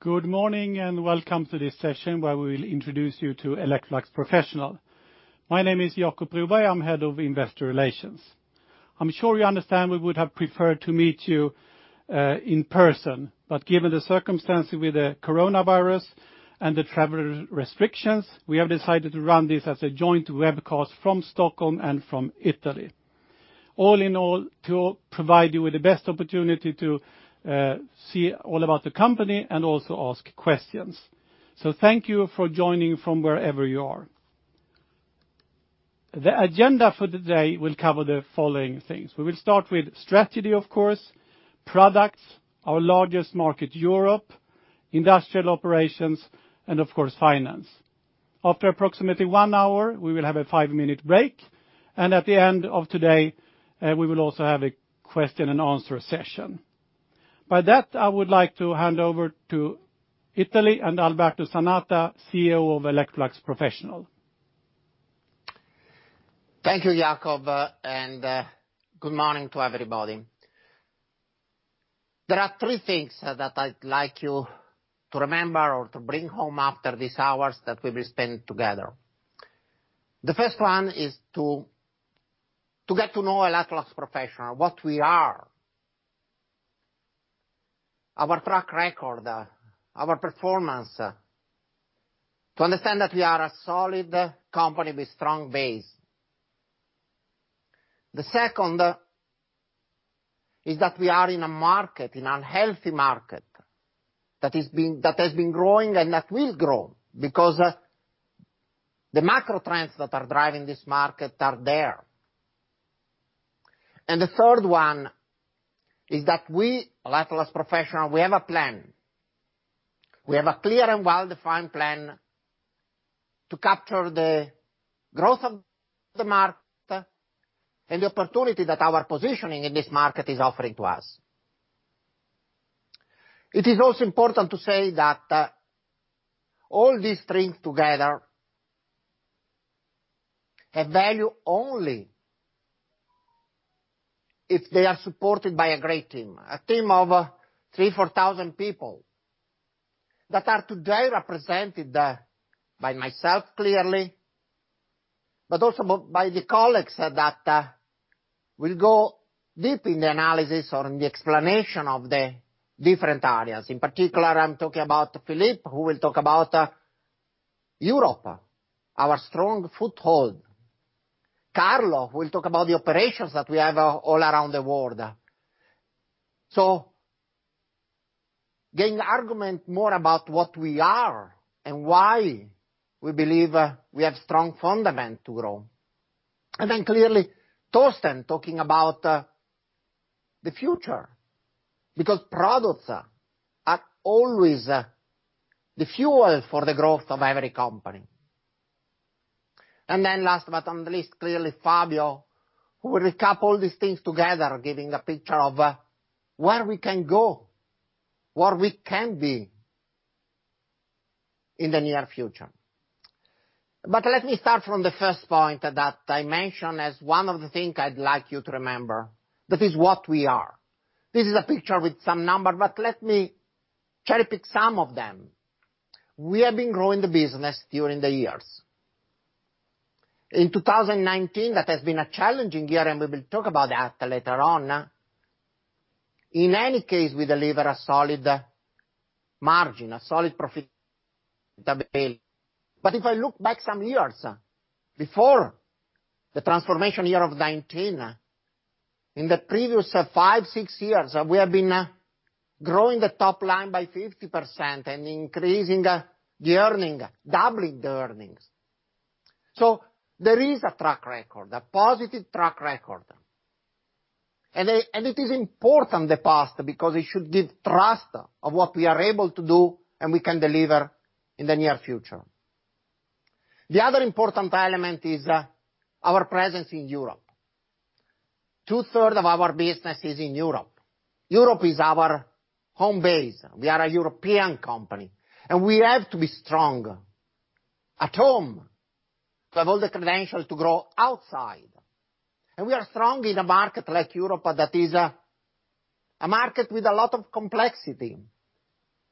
Good morning and welcome to this session where we will introduce you to Electrolux Professional. My name is Jakob Broberg. I'm Head of Investor Relations. I'm sure you understand we would have preferred to meet you in person, but given the circumstances with the Coronavirus and the travel restrictions, we have decided to run this as a joint webcast from Stockholm and from Italy. All in all, to provide you with the best opportunity to see all about the company and also ask questions. So thank you for joining from wherever you are. The agenda for today will cover the following things. We will start with strategy, of course, products, our largest market, Europe, industrial operations, and of course finance. After approximately one hour, we will have a five-minute break, and at the end of today, we will also have a question and answer session. By that, I would like to hand over to Italy and Alberto Zanata, CEO of Electrolux Professional. Thank you, Jakob, and good morning to everybody. There are three things that I'd like you to remember or to bring home after these hours that we will spend together. The first one is to get to know Electrolux Professional, what we are, our track record, our performance, to understand that we are a solid company with a strong base. The second is that we are in a market, in a healthy market, that has been growing and that will grow because the macro trends that are driving this market are there. And the third one is that we, Electrolux Professional, we have a plan. We have a clear and well-defined plan to capture the growth of the market and the opportunity that our positioning in this market is offering to us. It is also important to say that all these strings together have value only if they are supported by a great team, a team of three, four thousand people that are today represented by myself clearly, but also by the colleagues that will go deep in the analysis or in the explanation of the different areas. In particular, I'm talking about Philippe, who will talk about Europe, our strong foothold. Carlo, who will talk about the operations that we have all around the world, so getting arguments more about what we are and why we believe we have strong fundamentals to grow, and then clearly, Torsten talking about the future because products are always the fuel for the growth of every company. And then last but not least, clearly Fabio, who will recap all these things together, giving a picture of where we can go, where we can be in the near future. But let me start from the first point that I mentioned as one of the things I'd like you to remember, that is what we are. This is a picture with some numbers, but let me cherry-pick some of them. We have been growing the business during the years. In 2019, that has been a challenging year, and we will talk about that later on. In any case, we deliver a solid margin, a solid profitability. But if I look back some years before the transformation year of 2019, in the previous five, six years, we have been growing the top line by 50% and increasing the earnings, doubling the earnings. There is a positive track record. And it is important, the past, because it should give trust of what we are able to do and we can deliver in the near future. The other important element is our presence in Europe. Two-thirds of our business is in Europe. Europe is our home base. We are a European company, and we have to be strong at home to have all the credentials to grow outside. And we are strong in a market like Europe that is a market with a lot of complexity.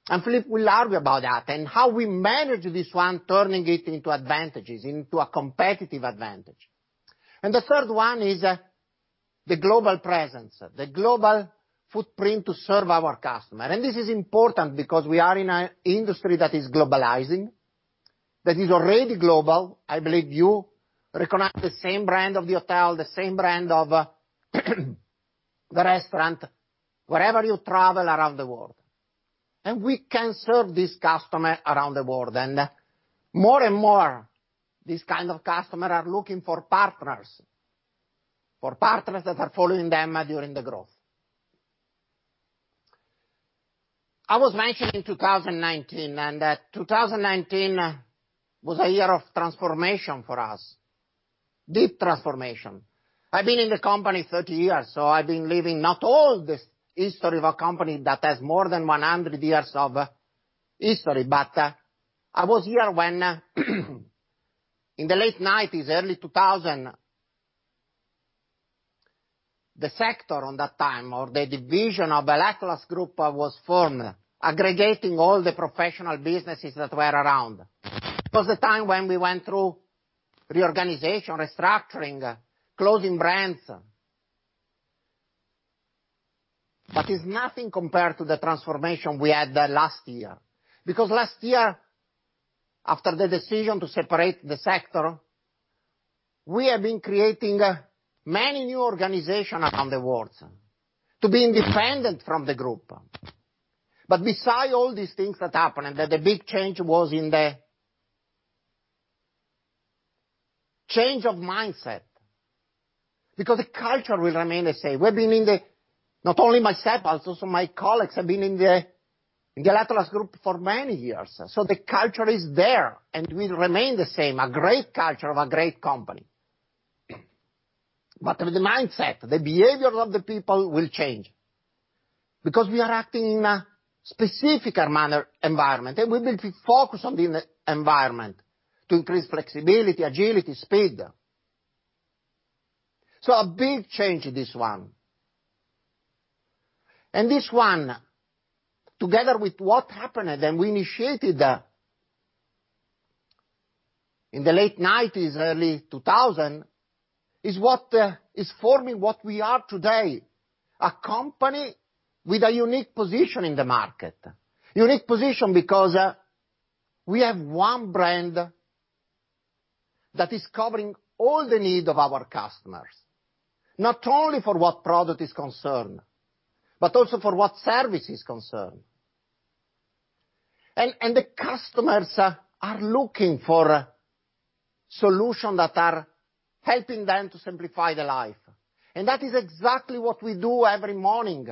And Philippe will argue about that and how we manage this one, turning it into advantages, into a competitive advantage. And the third one is the global presence, the global footprint to serve our customers. And this is important because we are in an industry that is globalizing, that is already global. I believe you recognize the same brand of the hotel, the same brand of the restaurant, wherever you travel around the world. And we can serve this customer around the world. And more and more, these kinds of customers are looking for partners, for partners that are following them during the growth. I was mentioning 2019, and 2019 was a year of transformation for us, deep transformation. I've been in the company 30 years, so I've been living not all the history of a company that has more than 100 years of history. But I was here when in the late 1990s, early 2000, the sector at that time or the division of Electrolux Group was formed, aggregating all the professional businesses that were around. It was the time when we went through reorganization, restructuring, closing brands. But it's nothing compared to the transformation we had last year. Because last year, after the decision to separate the sector, we have been creating many new organizations around the world to be independent from the group, but besides all these things that happened, the big change was in the change of mindset because the culture will remain the same. We've been in the, not only myself, but also my colleagues have been in the Electrolux Group for many years, so the culture is there and will remain the same, a great culture of a great company, but with the mindset, the behaviors of the people will change because we are acting in a specific environment, and we will focus on the environment to increase flexibility, agility, speed, so a big change in this one. This one, together with what happened, and we initiated in the late 1990s, early 2000, is what is forming what we are today, a company with a unique position in the market. Unique position because we have one brand that is covering all the needs of our customers, not only for what product is concerned, but also for what service is concerned. The customers are looking for solutions that are helping them to simplify their life. That is exactly what we do every morning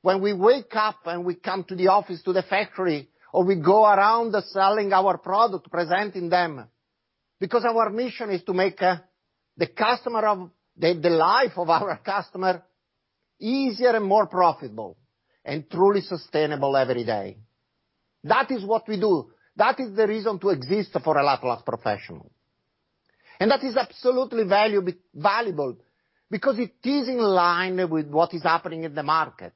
when we wake up and we come to the office, to the factory, or we go around selling our product, presenting them. Because our mission is to make the life of our customer easier and more profitable and truly sustainable every day. That is what we do. That is the reason to exist for Electrolux Professional. And that is absolutely valuable because it is in line with what is happening in the market.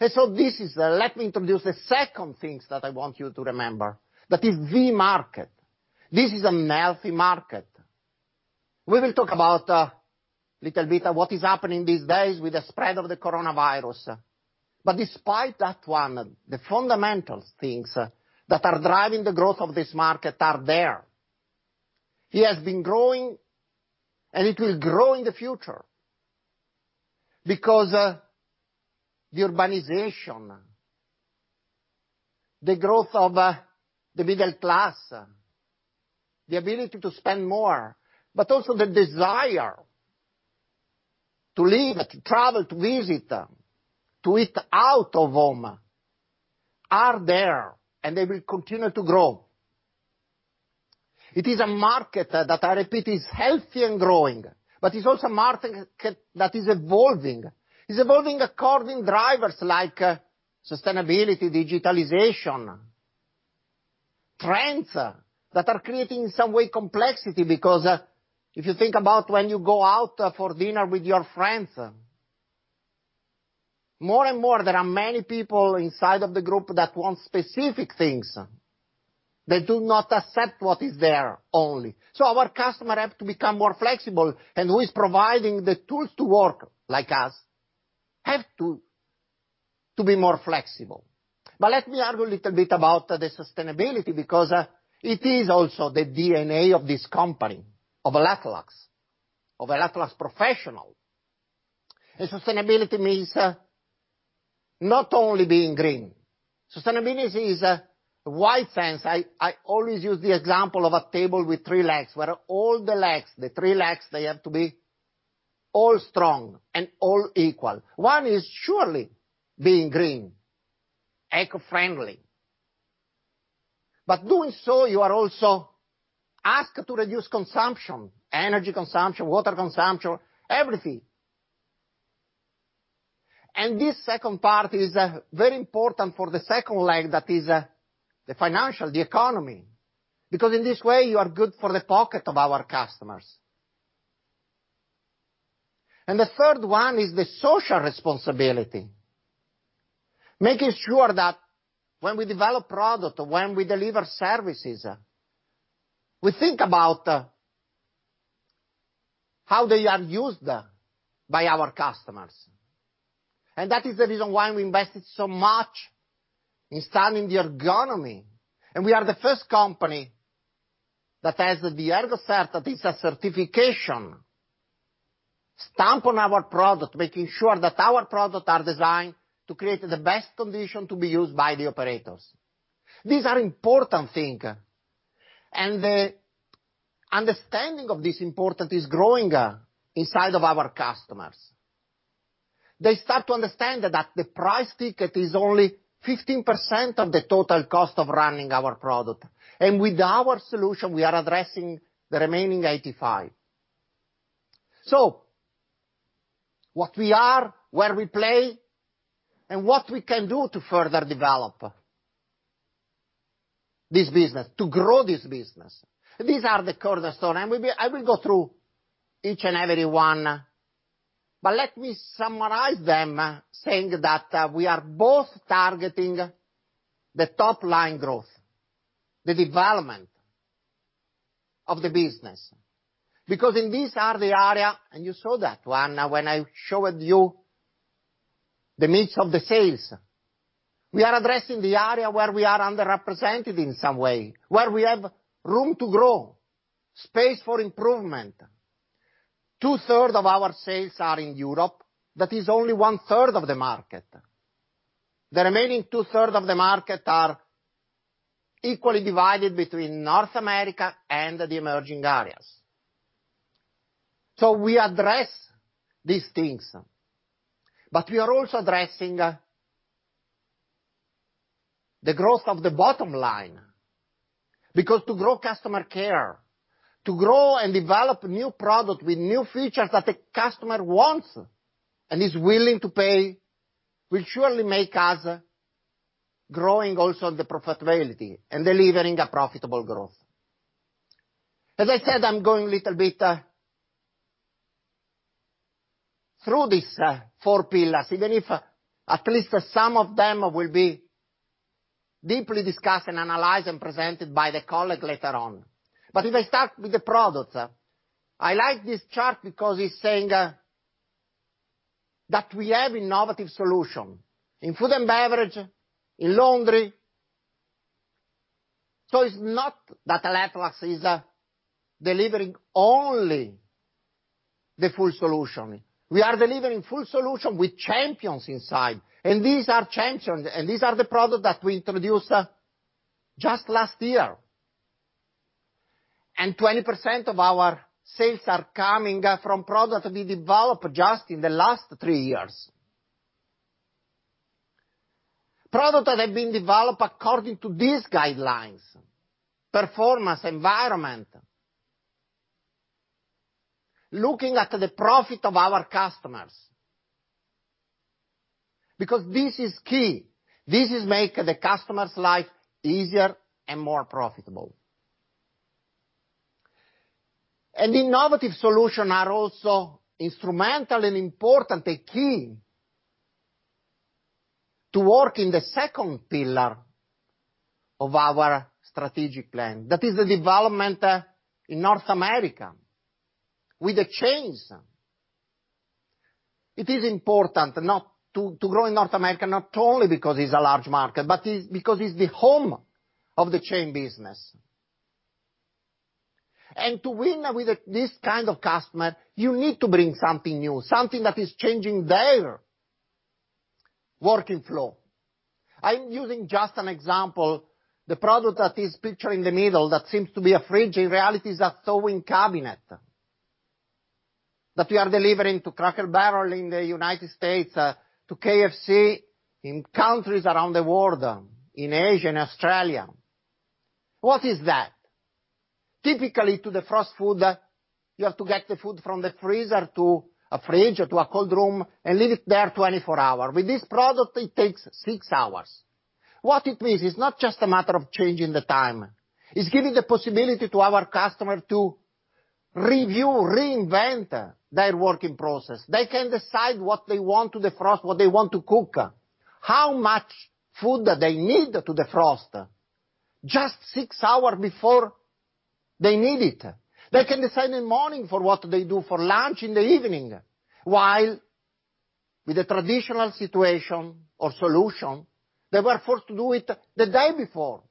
And so this is, let me introduce the second thing that I want you to remember, that is the market. This is a healthy market. We will talk about a little bit of what is happening these days with the spread of the coronavirus. But despite that one, the fundamental things that are driving the growth of this market are there. It has been growing, and it will grow in the future because the urbanization, the growth of the middle class, the ability to spend more, but also the desire to live, to travel, to visit, to eat out of home are there, and they will continue to grow. It is a market that, I repeat, is healthy and growing, but it's also a market that is evolving. It's evolving according to drivers like sustainability, digitalization, trends that are creating in some way complexity because if you think about when you go out for dinner with your friends, more and more there are many people inside of the group that want specific things that do not accept what is there only. So our customers have to become more flexible, and who is providing the tools to work like us have to be more flexible. But let me argue a little bit about the sustainability because it is also the DNA of this company, of Electrolux, of Electrolux Professional. And sustainability means not only being green. Sustainability is a wide sense. I always use the example of a table with three legs where all the legs, the three legs, they have to be all strong and all equal. One is surely being green, eco-friendly. But doing so, you are also asked to reduce consumption, energy consumption, water consumption, everything. And this second part is very important for the second leg, that is the financial, the economy, because in this way, you are good for the pocket of our customers. And the third one is the social responsibility, making sure that when we develop products or when we deliver services, we think about how they are used by our customers. And that is the reason why we invested so much in understanding the ergonomics. And we are the first company that has the ErgoCert, that is a certification stamp on our product, making sure that our products are designed to create the best condition to be used by the operators. These are important things. And the understanding of this importance is growing inside of our customers. They start to understand that the price ticket is only 15% of the total cost of running our product. And with our solution, we are addressing the remaining 85%. So what we are, where we play, and what we can do to further develop this business, to grow this business. These are the cornerstones. And I will go through each and every one, but let me summarize them saying that we are both targeting the top line growth, the development of the business. Because in these are the area, and you saw that one when I showed you the mix of the sales. We are addressing the area where we are underrepresented in some way, where we have room to grow, space for improvement. Two-thirds of our sales are in Europe. That is only one-third of the market. The remaining two-thirds of the market are equally divided between North America and the emerging areas. So we address these things. But we are also addressing the growth of the bottom line because to grow customer care, to grow and develop new products with new features that the customer wants and is willing to pay will surely make us growing also in the profitability and delivering a profitable growth. As I said, I'm going a little bit through these four pillars, even if at least some of them will be deeply discussed and analyzed and presented by the colleague later on. But if I start with the products, I like this chart because it's saying that we have innovative solutions in food and beverage, in laundry. So it's not that Electrolux is delivering only the full solution. We are delivering full solution with champions inside. These are champions, and these are the products that we introduced just last year. 20% of our sales are coming from products that we developed just in the last three years. Products that have been developed according to these guidelines, performance, environment, looking at the profit of our customers. Because this is key. This is making the customer's life easier and more profitable. Innovative solutions are also instrumental and important and key to work in the second pillar of our strategic plan. That is the development in North America with the chains. It is important to grow in North America not only because it's a large market, but because it's the home of the chain business. To win with this kind of customer, you need to bring something new, something that is changing their working flow. I'm using just an example, the product that is pictured in the middle that seems to be a fridge. In reality, it is a Thawing Cabinet that we are delivering to Cracker Barrel in the United States, to KFC in countries around the world, in Asia and Australia. What is that? Typically, to defrost food, you have to get the food from the freezer to a fridge or to a cold room and leave it there 24 hours. With this product, it takes 6 hours. What it means is not just a matter of changing the time. It's giving the possibility to our customers to review, reinvent their working process. They can decide what they want to defrost, what they want to cook, how much food that they need to defrost just 6 hours before they need it. They can decide in the morning for what they do for lunch in the evening, while with the traditional situation or solution, they were forced to do it the day before,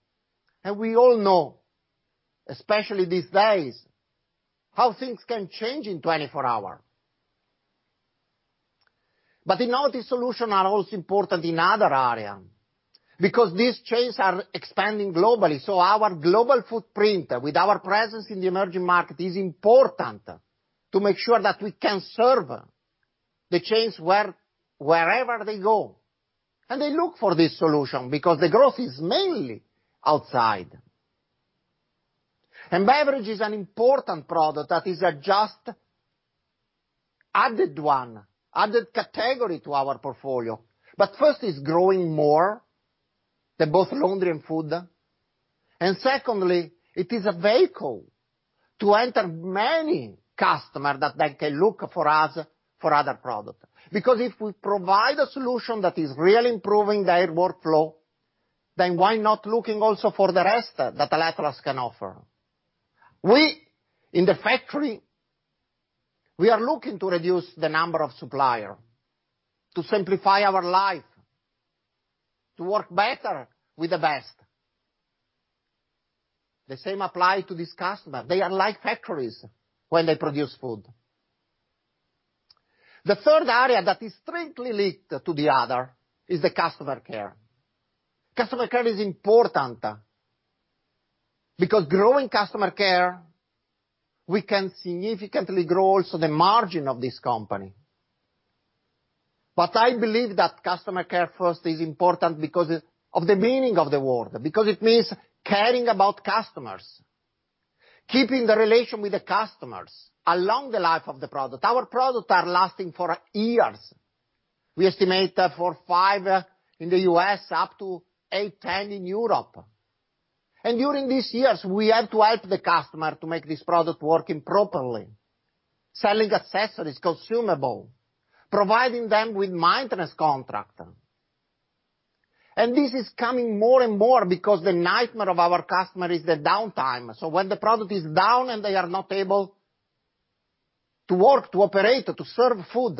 and we all know, especially these days, how things can change in 24 hours. Innovative solutions are also important in other areas because these chains are expanding globally, so our global footprint with our presence in the emerging market is important to make sure that we can serve the chains wherever they go, and they look for this solution because the growth is mainly outside. Beverage is an important product that is just added one, added category to our portfolio, but first, it's growing more than both laundry and food, and secondly, it is a vehicle to enter many customers that they can look for us for other products. Because if we provide a solution that is really improving their workflow, then why not looking also for the rest that Electrolux can offer? We, in the factory, we are looking to reduce the number of suppliers to simplify our life, to work better with the best. The same applies to these customers. They are like factories when they produce food. The third area that is strictly linked to the other is the customer care. Customer care is important because growing customer care, we can significantly grow also the margin of this company. But I believe that customer care first is important because of the meaning of the word, because it means caring about customers, keeping the relation with the customers along the life of the product. Our products are lasting for years. We estimate for five in the U.S., up to eight, ten in Europe. During these years, we have to help the customer to make this product work properly, selling accessories, consumables, providing them with maintenance contracts. This is coming more and more because the nightmare of our customers is the downtime. When the product is down and they are not able to work, to operate, to serve food,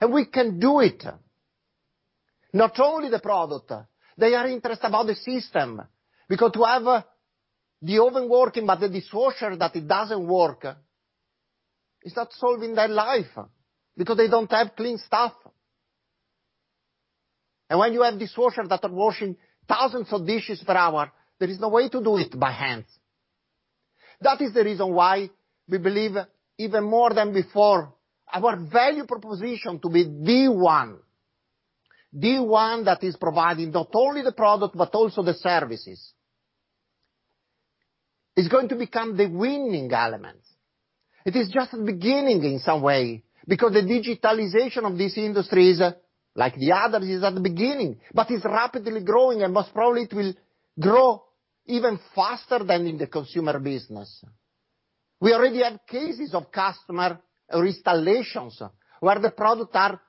and we can do it, not only the product, they are interested about the system because to have the oven working, but the dishwasher that it doesn't work is not solving their life because they don't have clean stuff. When you have dishwashers that are washing thousands of dishes per hour, there is no way to do it by hand. That is the reason why we believe even more than before, our value proposition to be D1, D1 that is providing not only the product, but also the services, is going to become the winning element. It is just the beginning in some way because the digitalization of this industry is like the others is at the beginning, but it's rapidly growing and most probably it will grow even faster than in the consumer business. We already have cases of customer or installations where the products are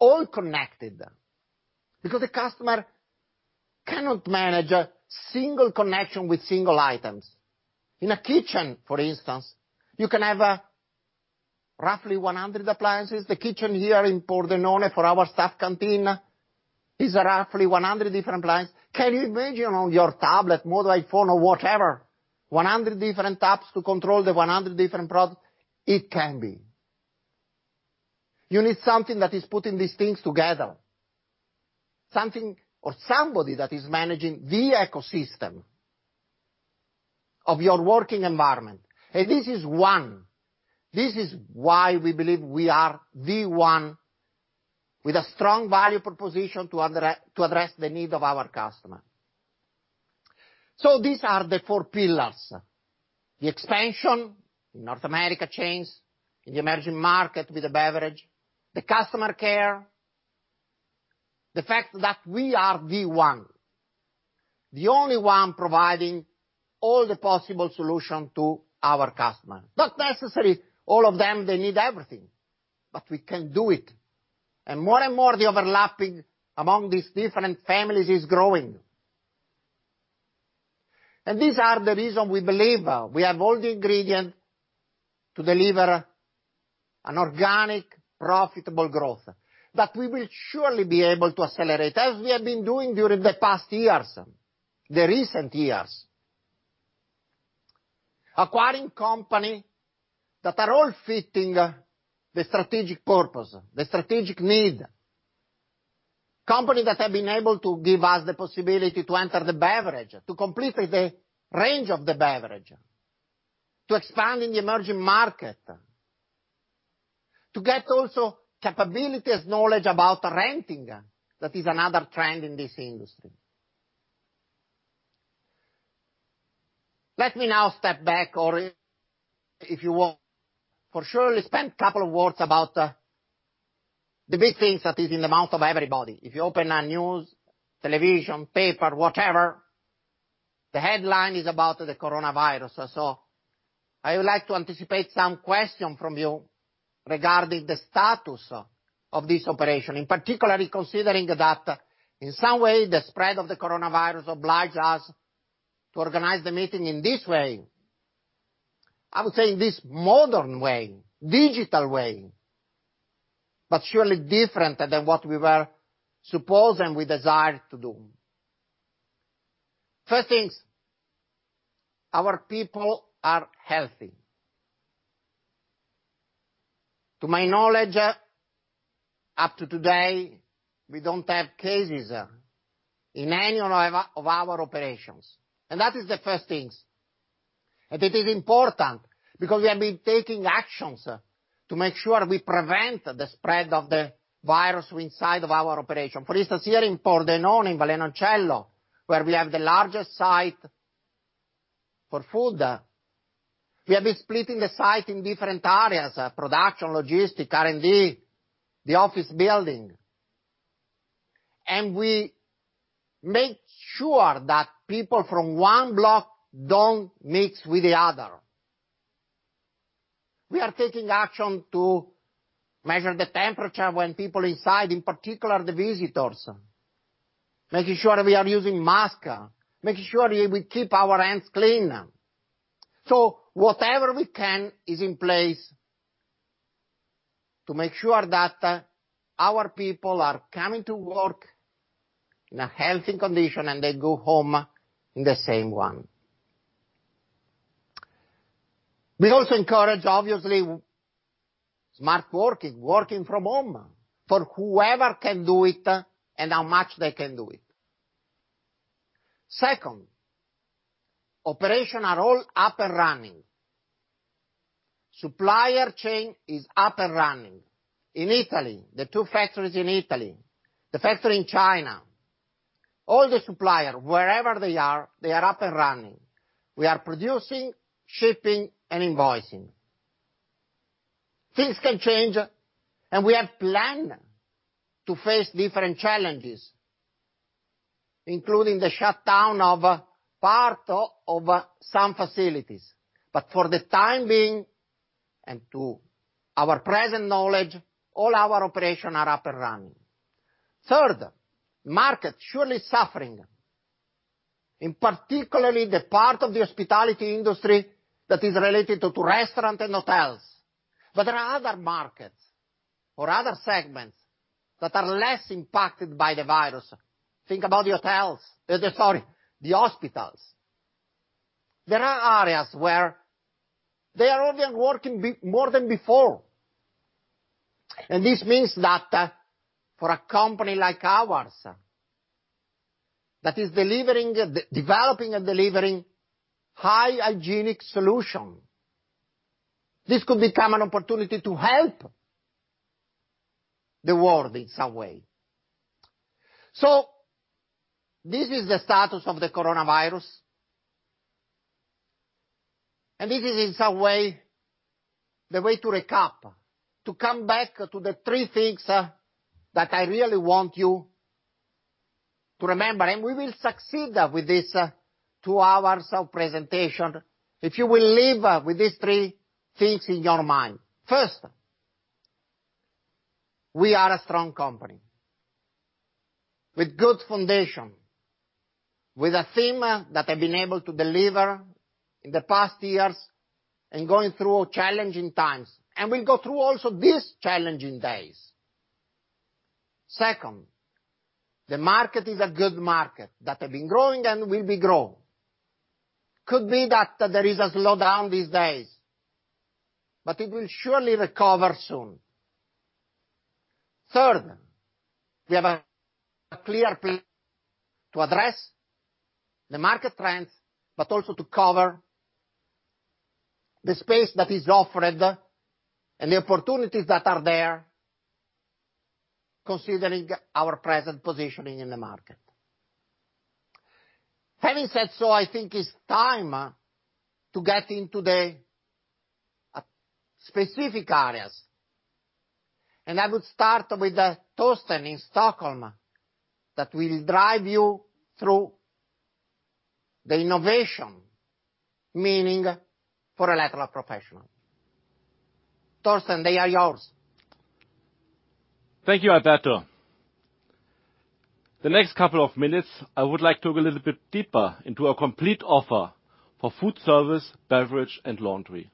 all connected because the customer cannot manage a single connection with single items. In a kitchen, for instance, you can have roughly 100 appliances. The kitchen here in Pordenone for our staff canteen is roughly 100 different appliances. Can you imagine on your tablet, mobile phone, or whatever, 100 different taps to control the 100 different products? It can be. You need something that is putting these things together, something or somebody that is managing the ecosystem of your working environment. And this is one. This is why we believe we are number one with a strong value proposition to address the need of our customers. So these are the four pillars: the expansion in North America chains, in the emerging market with the beverage, the customer care, the fact that we are number one, the only one providing all the possible solutions to our customers. Not necessarily all of them, they need everything, but we can do it. And more and more the overlapping among these different families is growing. These are the reasons we believe we have all the ingredients to deliver an organic, profitable growth that we will surely be able to accelerate, as we have been doing during the past years, the recent years, acquiring companies that are all fitting the strategic purpose, the strategic need, companies that have been able to give us the possibility to enter the beverage, to complete the range of the beverage, to expand in the emerging market, to get also capability as knowledge about renting. That is another trend in this industry. Let me now step back, or if you want, for sure, spend a couple of words about the big things that are in the mouth of everybody. If you open the news, television, paper, whatever, the headline is about the coronavirus. So I would like to anticipate some questions from you regarding the status of this operation, in particular considering that in some way, the spread of the coronavirus obliges us to organize the meeting in this way. I would say in this modern way, digital way, but surely different than what we were supposed and we desired to do. First things, our people are healthy. To my knowledge, up to today, we don't have cases in any of our operations. And that is the first thing. And it is important because we have been taking actions to make sure we prevent the spread of the virus inside of our operation. For instance, here in Pordenone, in Vallenoncello, where we have the largest food service site, we have been splitting the site in different areas: production, logistics, R&D, the office building. And we make sure that people from one block don't mix with the other. We are taking action to measure the temperature when people inside, in particular the visitors, making sure we are using masks, making sure we keep our hands clean. So whatever we can is in place to make sure that our people are coming to work in a healthy condition and they go home in the same one. We also encourage, obviously, smart working, working from home for whoever can do it and how much they can do it. Second, operations are all up and running. Supply chain is up and running. In Italy, the two factories in Italy, the factory in China, all the suppliers, wherever they are, they are up and running. We are producing, shipping, and invoicing. Things can change, and we have planned to face different challenges, including the shutdown of part of some facilities. But for the time being, and to our present knowledge, all our operations are up and running. Third, markets surely are suffering, in particular the part of the hospitality industry that is related to restaurants and hotels. But there are other markets or other segments that are less impacted by the virus. Think about the hotels. Sorry, the hospitals. There are areas where they are already working more than before. And this means that for a company like ours that is developing and delivering high hygienic solutions, this could become an opportunity to help the world in some way. So this is the status of the coronavirus. And this is, in some way, the way to recap, to come back to the three things that I really want you to remember. We will succeed with these two hours of presentation if you will leave with these three things in your mind. First, we are a strong company with a good foundation, with a team that has been able to deliver in the past years and going through challenging times. We'll go through also these challenging days. Second, the market is a good market that has been growing and will be growing. Could be that there is a slowdown these days, but it will surely recover soon. Third, we have a clear plan to address the market trends, but also to cover the space that is offered and the opportunities that are there, considering our present positioning in the market. Having said so, I think it's time to get into the specific areas. I would start with Torsten in Stockholm that will drive you through the innovation meaning for Electrolux Professional. Torsten, they are yours. Thank you, Alberto. The next couple of minutes, I would like to go a little bit deeper into our complete offer for food service, beverage, and laundry.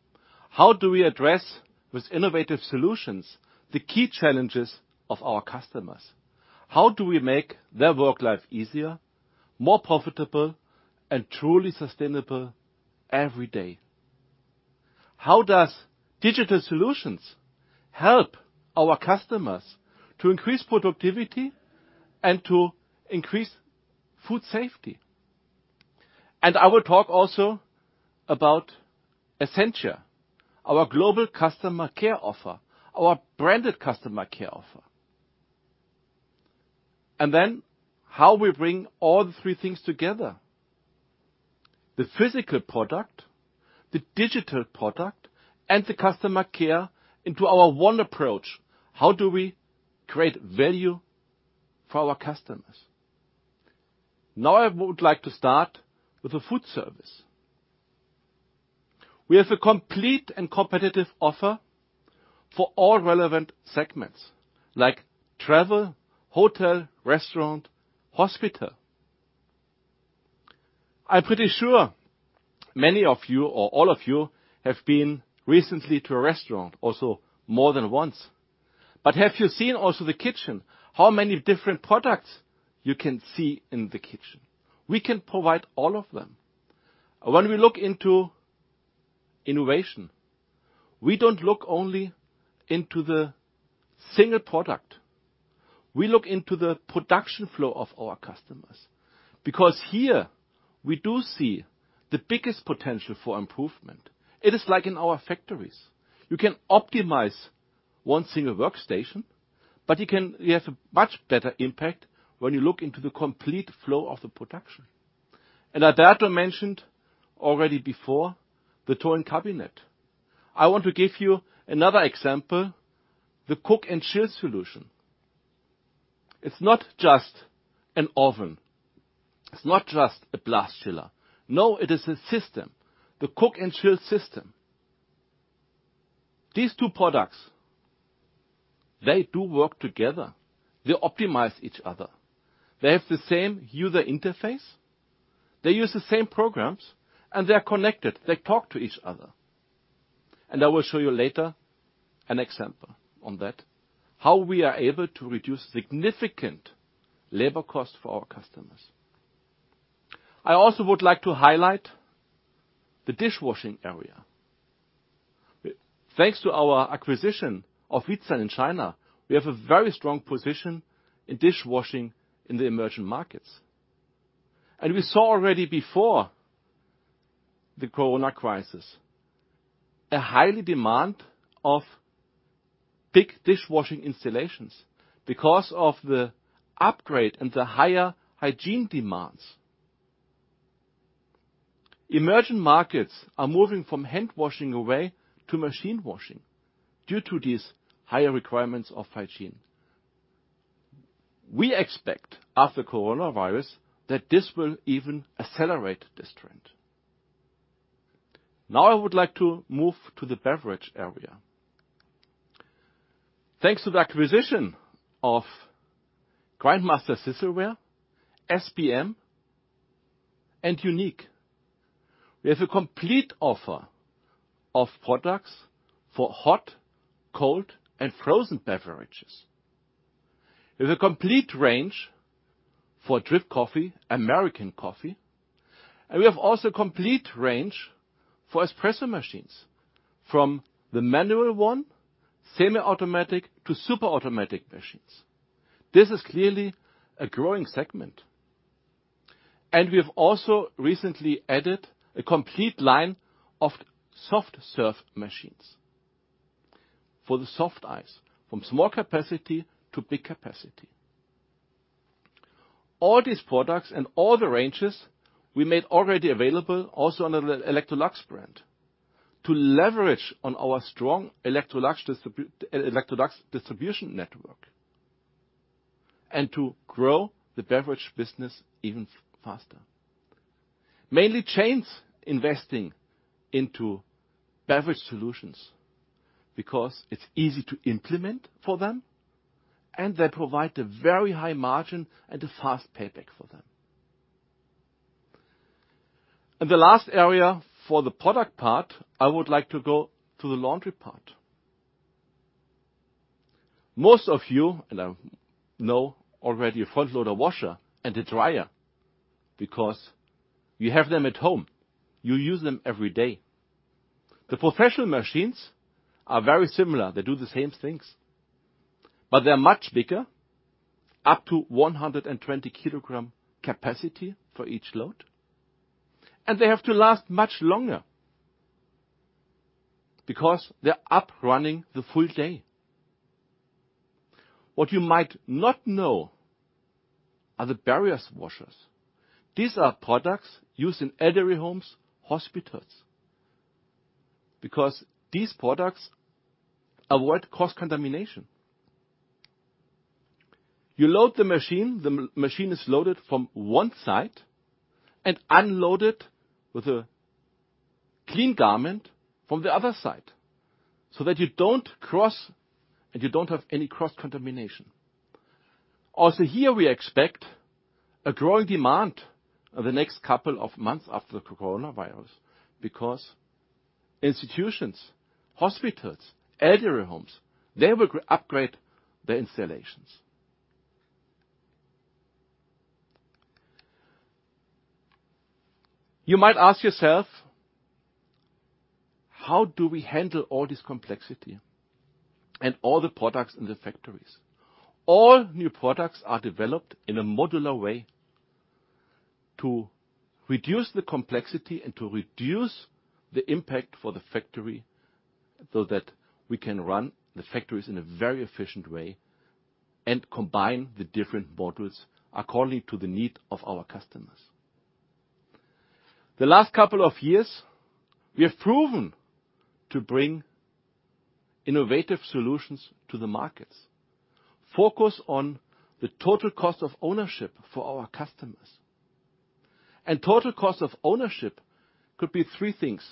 How do we address, with innovative solutions, the key challenges of our customers? How do we make their work life easier, more profitable, and truly sustainable every day? How do digital solutions help our customers to increase productivity and to increase food safety? And I will talk also about Essentia, our global customer care offer, our branded customer care offer. And then how we bring all the three things together: the physical product, the digital product, and the customer care into our one approach. How do we create value for our customers? Now I would like to start with the food service. We have a complete and competitive offer for all relevant segments like travel, hotel, restaurant, hospital. I'm pretty sure many of you, or all of you, have been recently to a restaurant, also more than once. But have you seen also the kitchen? How many different products you can see in the kitchen? We can provide all of them. When we look into innovation, we don't look only into the single product. We look into the production flow of our customers because here we do see the biggest potential for improvement. It is like in our factories. You can optimize one single workstation, but you have a much better impact when you look into the complete flow of the production. And Alberto mentioned already before the Thaw-in Cabinet. I want to give you another example, the Cook and Chill solution. It's not just an oven. It's not just a Blast Chiller. No, it is a system, the Cook and Chill system. These two products, they do work together. They optimize each other. They have the same user interface. They use the same programs, and they're connected. They talk to each other. And I will show you later an example on that, how we are able to reduce significant labor costs for our customers. I also would like to highlight the dishwashing area. Thanks to our acquisition of Veetsan in China, we have a very strong position in dishwashing in the emerging markets. And we saw already before the corona crisis a high demand of big dishwashing installations because of the upgrade and the higher hygiene demands. Emerging markets are moving from hand washing away to machine washing due to these higher requirements of hygiene. We expect after coronavirus that this will even accelerate this trend. Now I would like to move to the beverage area. Thanks to the acquisition of Grindmaster-Cecilware, SPM Drink Systems, and UNIC, we have a complete offer of products for hot, cold, and frozen beverages. We have a complete range for drip coffee, American coffee. And we have also a complete range for espresso machines, from the manual one, semi-automatic, to super-automatic machines. This is clearly a growing segment. And we have also recently added a complete line of soft serve machines for the soft ice, from small capacity to big capacity. All these products and all the ranges we made already available also under the Electrolux brand to leverage on our strong Electrolux distribution network and to grow the beverage business even faster. Mainly chains investing into beverage solutions because it's easy to implement for them, and they provide a very high margin and a fast payback for them. And the last area for the product part, I would like to go to the laundry part. Most of you, and I know already a front loader washer and a dryer because you have them at home. You use them every day. The professional machines are very similar. They do the same things, but they're much bigger, up to 120 kilogram capacity for each load. And they have to last much longer because they're up running the full day. What you might not know are the barrier washers. These are products used in elderly homes, hospitals, because these products avoid cross-contamination. You load the machine. The machine is loaded from one side and unloaded with a clean garment from the other side so that you don't cross and you don't have any cross-contamination. Also here, we expect a growing demand in the next couple of months after the coronavirus because institutions, hospitals, elderly homes, they will upgrade their installations. You might ask yourself, how do we handle all this complexity and all the products in the factories? All new products are developed in a modular way to reduce the complexity and to reduce the impact for the factory so that we can run the factories in a very efficient way and combine the different modules according to the need of our customers. The last couple of years, we have proven to bring innovative solutions to the markets, focus on the total cost of ownership for our customers. And total cost of ownership could be three things.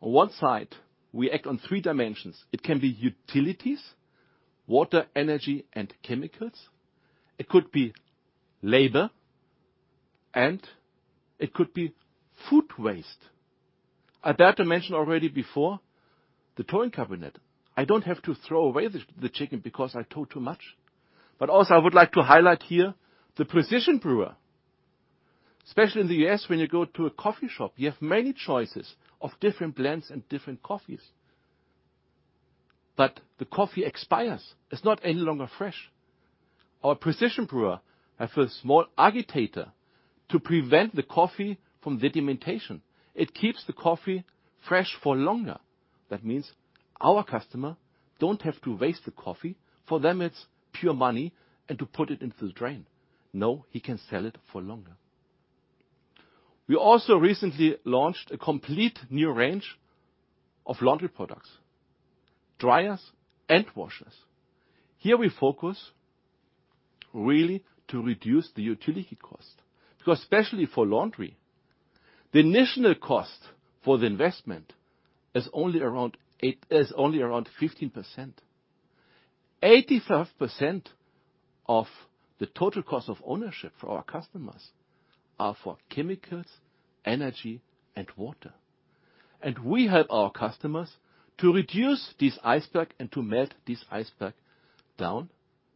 On one side, we act on three dimensions. It can be utilities, water, energy, and chemicals. It could be labor, and it could be food waste. Alberto mentioned already before the Thaw-in Cabinet. I don't have to throw away the chicken because I thawed too much. But also, I would like to highlight here the PrecisionBrew. Especially in the U.S., when you go to a coffee shop, you have many choices of different blends and different coffees. But the coffee expires. It's not any longer fresh. Our PrecisionBrew has a small agitator to prevent the coffee from the deterioration. It keeps the coffee fresh for longer. That means our customers don't have to waste the coffee. For them, it's pure money and to put it into the drain. No, he can sell it for longer. We also recently launched a complete new range of laundry products, dryers, and washers. Here we focus really to reduce the utility cost because especially for laundry, the initial cost for the investment is only around 15%. 85% of the total cost of ownership for our customers are for chemicals, energy, and water. And we help our customers to reduce this iceberg and to melt this iceberg down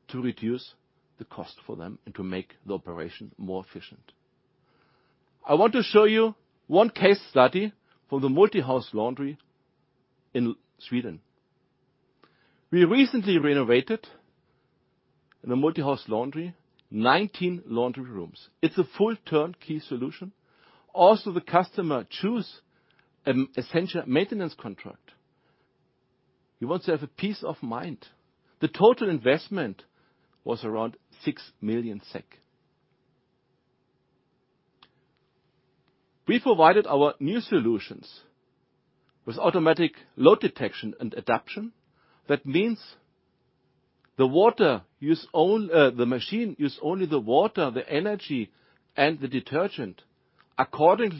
to reduce the cost for them and to make the operation more efficient. I want to show you one case study from the multi-housing laundry in Sweden. We recently renovated the multi-house laundry, 19 laundry rooms. It's a full turnkey solution. Also, the customer chose an Essentia maintenance contract. He wants to have a peace of mind. The total investment was around SEK 6 million. We provided our new solutions with automatic load detection and adaption. That means the machine uses only the water, the energy, and the detergent according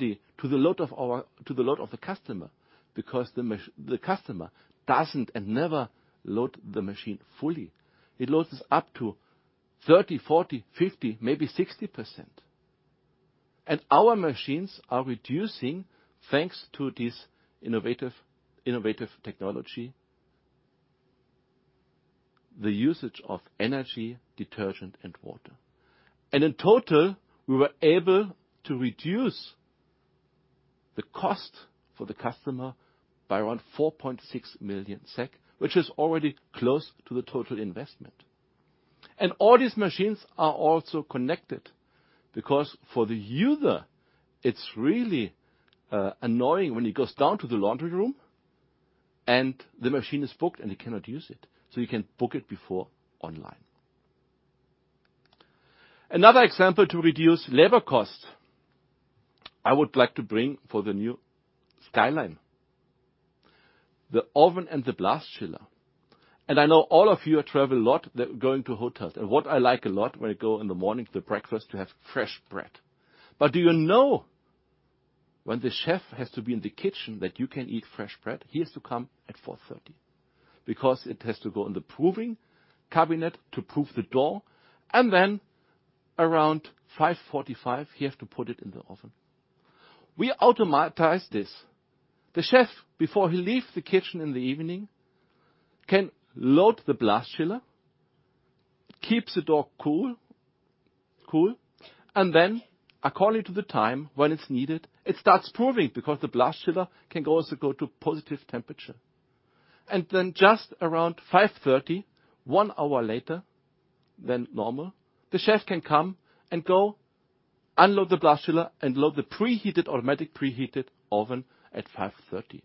to the load of the customer because the customer doesn't and never loads the machine fully. It loads up to 30%, 40%, 50%, maybe 60%. And our machines are reducing, thanks to this innovative technology, the usage of energy, detergent, and water. And in total, we were able to reduce the cost for the customer by around 4.6 million SEK, which is already close to the total investment. And all these machines are also connected because for the user, it's really annoying when he goes down to the laundry room and the machine is booked and he cannot use it. So you can book it before online. Another example to reduce labor costs, I would like to bring for the new SkyLine: the oven and the blast chiller. And I know all of you travel a lot. They're going to hotels. And what I like a lot when I go in the morning for breakfast to have fresh bread. But do you know when the chef has to be in the kitchen that you can eat fresh bread? He has to come at 4:30 A.M. because it has to go in the proving cabinet to prove the dough, and then around 5:45 A.M., he has to put it in the oven. We automate this. The chef, before he leaves the kitchen in the evening, can load the blast chiller, keeps the dough cool, and then according to the time when it's needed, it starts proving because the blast chiller can also go to positive temperature. Then just around 5:30 A.M., one hour later than normal, the chef can come and go unload the blast chiller and load the preheated automatic preheated oven at 5:30 A.M.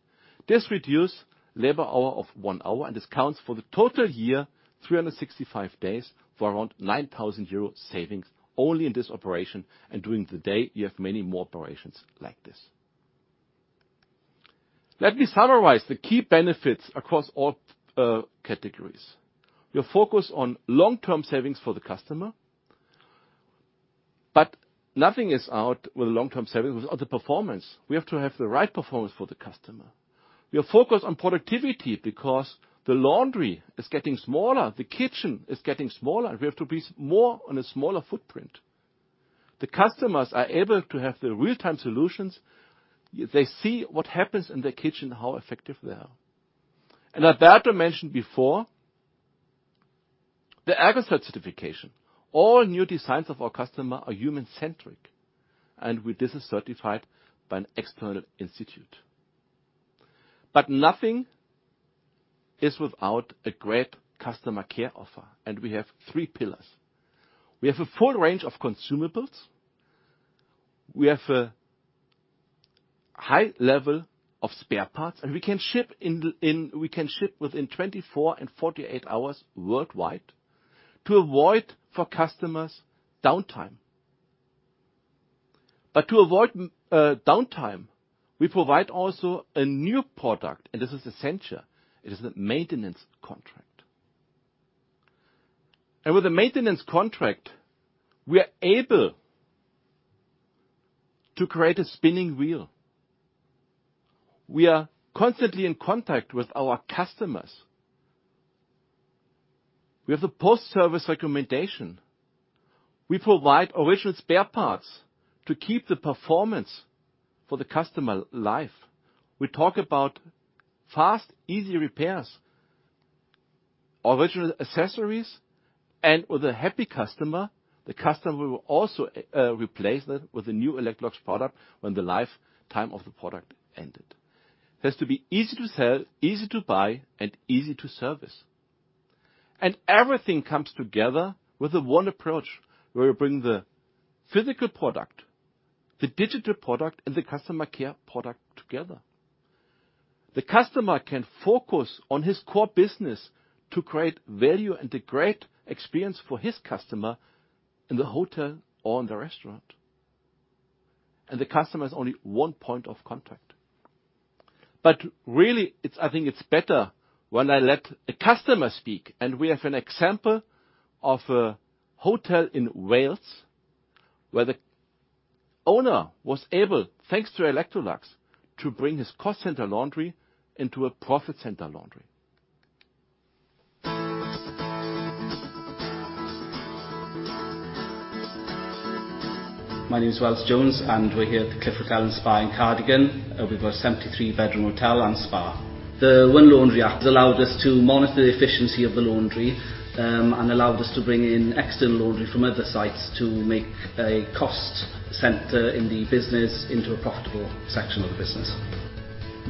This reduces labor hour of one hour, and this counts for the total year, 365 days, for around 9,000 euro savings only in this operation. During the day, you have many more operations like this. Let me summarize the key benefits across all categories. We are focused on long-term savings for the customer, but nothing is without long-term savings without the performance. We have to have the right performance for the customer. We are focused on productivity because the laundry is getting smaller, the kitchen is getting smaller, and we have to be more on a smaller footprint. The customers are able to have the real-time solutions. They see what happens in the kitchen, how effective they are. Alberto mentioned before, the ErgoCert certification. All new designs of our customers are human-centric, and this is certified by an external institute. Nothing is without a great customer care offer. We have three pillars. We have a full range of consumables. We have a high level of spare parts, and we can ship within 24 and 48 hours worldwide to avoid for customers downtime. To avoid downtime, we provide also a new product, and this is Essentia. It is a maintenance contract. With a maintenance contract, we are able to create a spinning wheel. We are constantly in contact with our customers. We have the post-service recommendation. We provide original spare parts to keep the performance for the customer life. We talk about fast, easy repairs, original accessories, and with a happy customer, the customer will also replace it with a new Electrolux product when the lifetime of the product ended. It has to be easy to sell, easy to buy, and easy to service. And everything comes together with a one approach where we bring the physical product, the digital product, and the customer care product together. The customer can focus on his core business to create value and the great experience for his customer in the hotel or in the restaurant. And the customer is only one point of contact. But really, I think it's better when I let a customer speak, and we have an example of a hotel in Wales where the owner was able, thanks to Electrolux, to bring his cost-centered laundry into a profit-centered laundry. My name is Wells Jones, and we're here at the Cliff Hotel & Spa in Cardigan. We've got a 73-bedroom hotel and spa. The OnE Laundry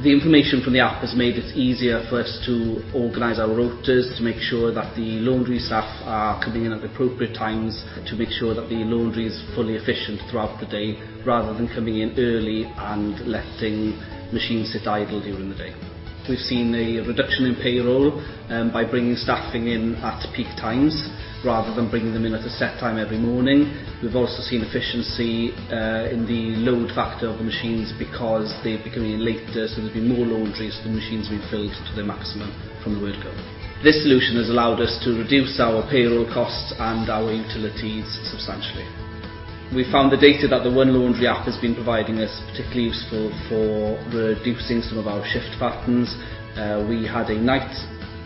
app has allowed us to monitor the efficiency of the laundry and allowed us to bring in external laundry from other sites to make a cost center in the business into a profitable section of the business. The information from the app has made it easier for us to organize our rotas to make sure that the laundry staff are coming in at appropriate times to make sure that the laundry is fully efficient throughout the day, rather than coming in early and letting machines sit idle during the day. We've seen a reduction in payroll by bringing staffing in at peak times rather than bringing them in at a set time every morning. We've also seen efficiency in the load factor of the machines because they've been coming in later, so there's been more laundry, so the machines have been filled to their maximum from the word go. This solution has allowed us to reduce our payroll costs and our utilities substantially. We found the data that the OneLaundry app has been providing us particularly useful for reducing some of our shift patterns. We had a night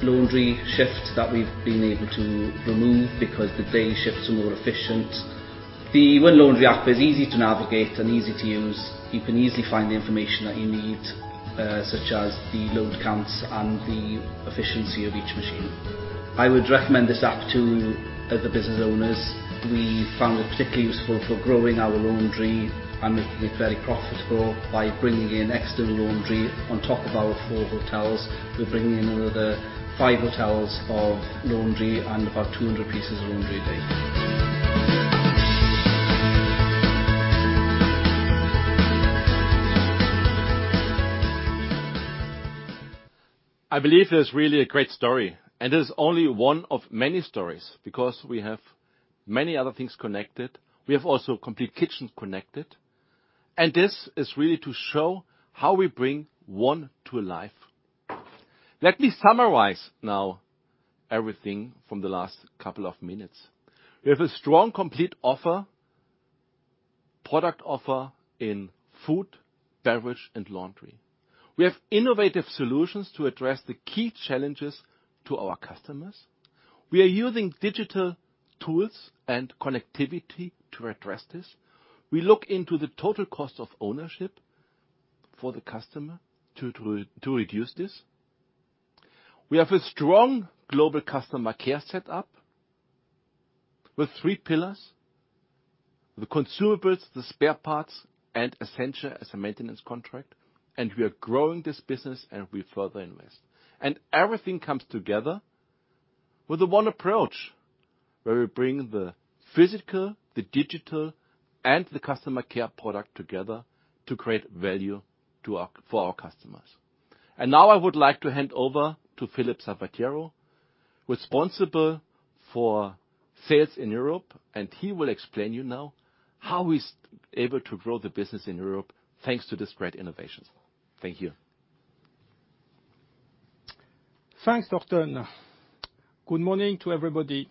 laundry shift that we've been able to remove because the day shifts are more efficient. The OneLaundry app is easy to navigate and easy to use. You can easily find the information that you need, such as the load counts and the efficiency of each machine. I would recommend this app to other business owners. We found it particularly useful for growing our laundry and making it very profitable by bringing in external laundry on top of our four hotels. We're bringing in another five hotels of laundry and about 200 pieces of laundry a day. I believe there's really a great story, and it is only one of many stories because we have many other things connected. We have also complete kitchens connected, and this is really to show how we bring one to life. Let me summarize now everything from the last couple of minutes. We have a strong complete product offer in food, beverage, and laundry. We have innovative solutions to address the key challenges to our customers. We are using digital tools and connectivity to address this. We look into the total cost of ownership for the customer to reduce this. We have a strong global customer care setup with three pillars: the consumables, the spare parts, and Essentia as a maintenance contract. And we are growing this business, and we further invest. And everything comes together with a one approach where we bring the physical, the digital, and the customer care product together to create value for our customers. And now I would like to hand over to Philippe Zavattiero, responsible for sales in Europe, and he will explain to you now how he's able to grow the business in Europe thanks to these great innovations. Thank you. Thanks, Doctor. Good morning to everybody.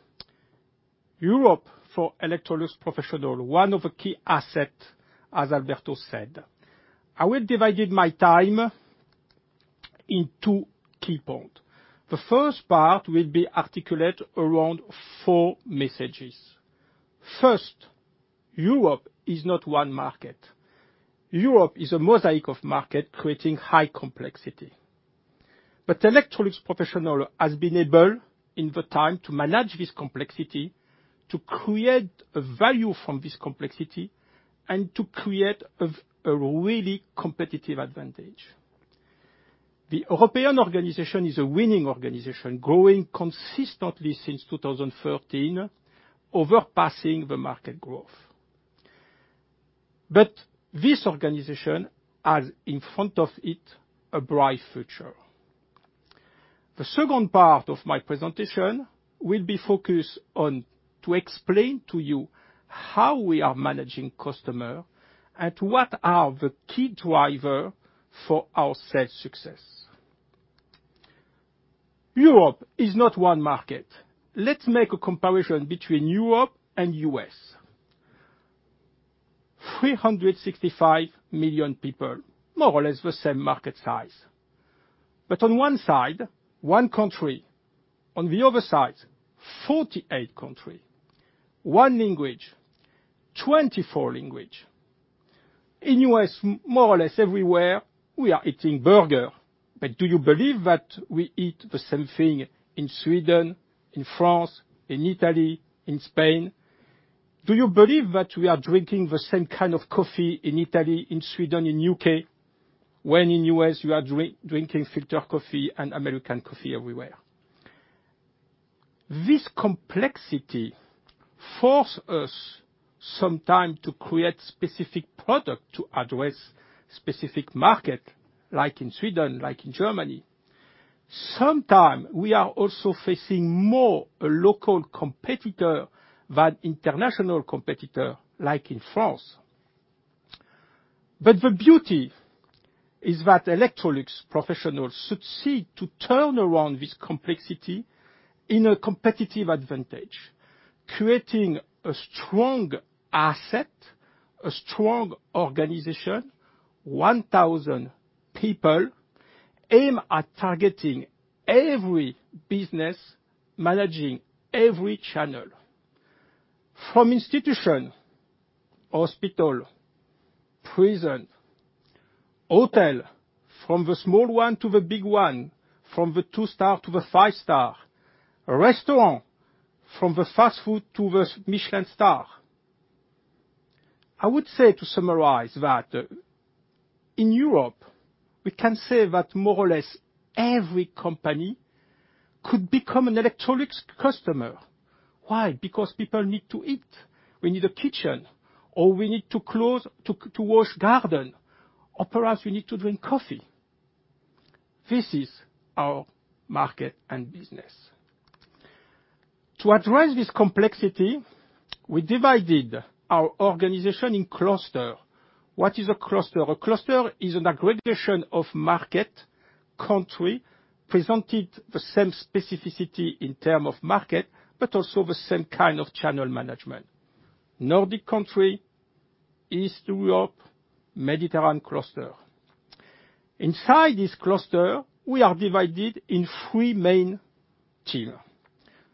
Europe for Electrolux Professional, one of the key assets, as Alberto said. I will divide my time into two key points. The first part will be articulated around four messages. First, Europe is not one market. Europe is a mosaic of markets creating high complexity. But Electrolux Professional has been able, in the time to manage this complexity, to create value from this complexity, and to create a really competitive advantage. The European organization is a winning organization, growing consistently since 2013, overpassing the market growth. But this organization has in front of it a bright future. The second part of my presentation will be focused on explaining to you how we are managing customers and what are the key drivers for our sales success. Europe is not one market. Let's make a comparison between Europe and the US. 365 million people, more or less the same market size. But on one side, one country. On the other side, 48 countries. One language, 24 languages. In the US, more or less everywhere, we are eating burger. But do you believe that we eat the same thing in Sweden, in France, in Italy, in Spain? Do you believe that we are drinking the same kind of coffee in Italy, in Sweden, in the U.K., when in the U.S. you are drinking filter coffee and American coffee everywhere? This complexity forces us sometimes to create specific products to address specific markets, like in Sweden, like in Germany. Sometimes we are also facing more a local competitor than international competitor, like in France. But the beauty is that Electrolux Professional succeeds in turning around this complexity into a competitive advantage, creating a strong asset, a strong organization, 1,000 people aimed at targeting every business, managing every channel. From institution, hospital, prison, hotel, from the small one to the big one, from the two-star to the five-star, restaurant, from the fast food to the Michelin star. I would say to summarize that in Europe, we can say that more or less every company could become an Electrolux customer. Why? Because people need to eat. We need a kitchen, or we need clothes to wash the laundry, or perhaps we need to drink coffee. This is our market and business. To address this complexity, we divided our organization in clusters. What is a cluster? A cluster is an aggregation of markets, countries presenting the same specificity in terms of markets, but also the same kind of channel management: Nordic countries, Eastern Europe, Mediterranean cluster. Inside this cluster, we are divided into three main teams.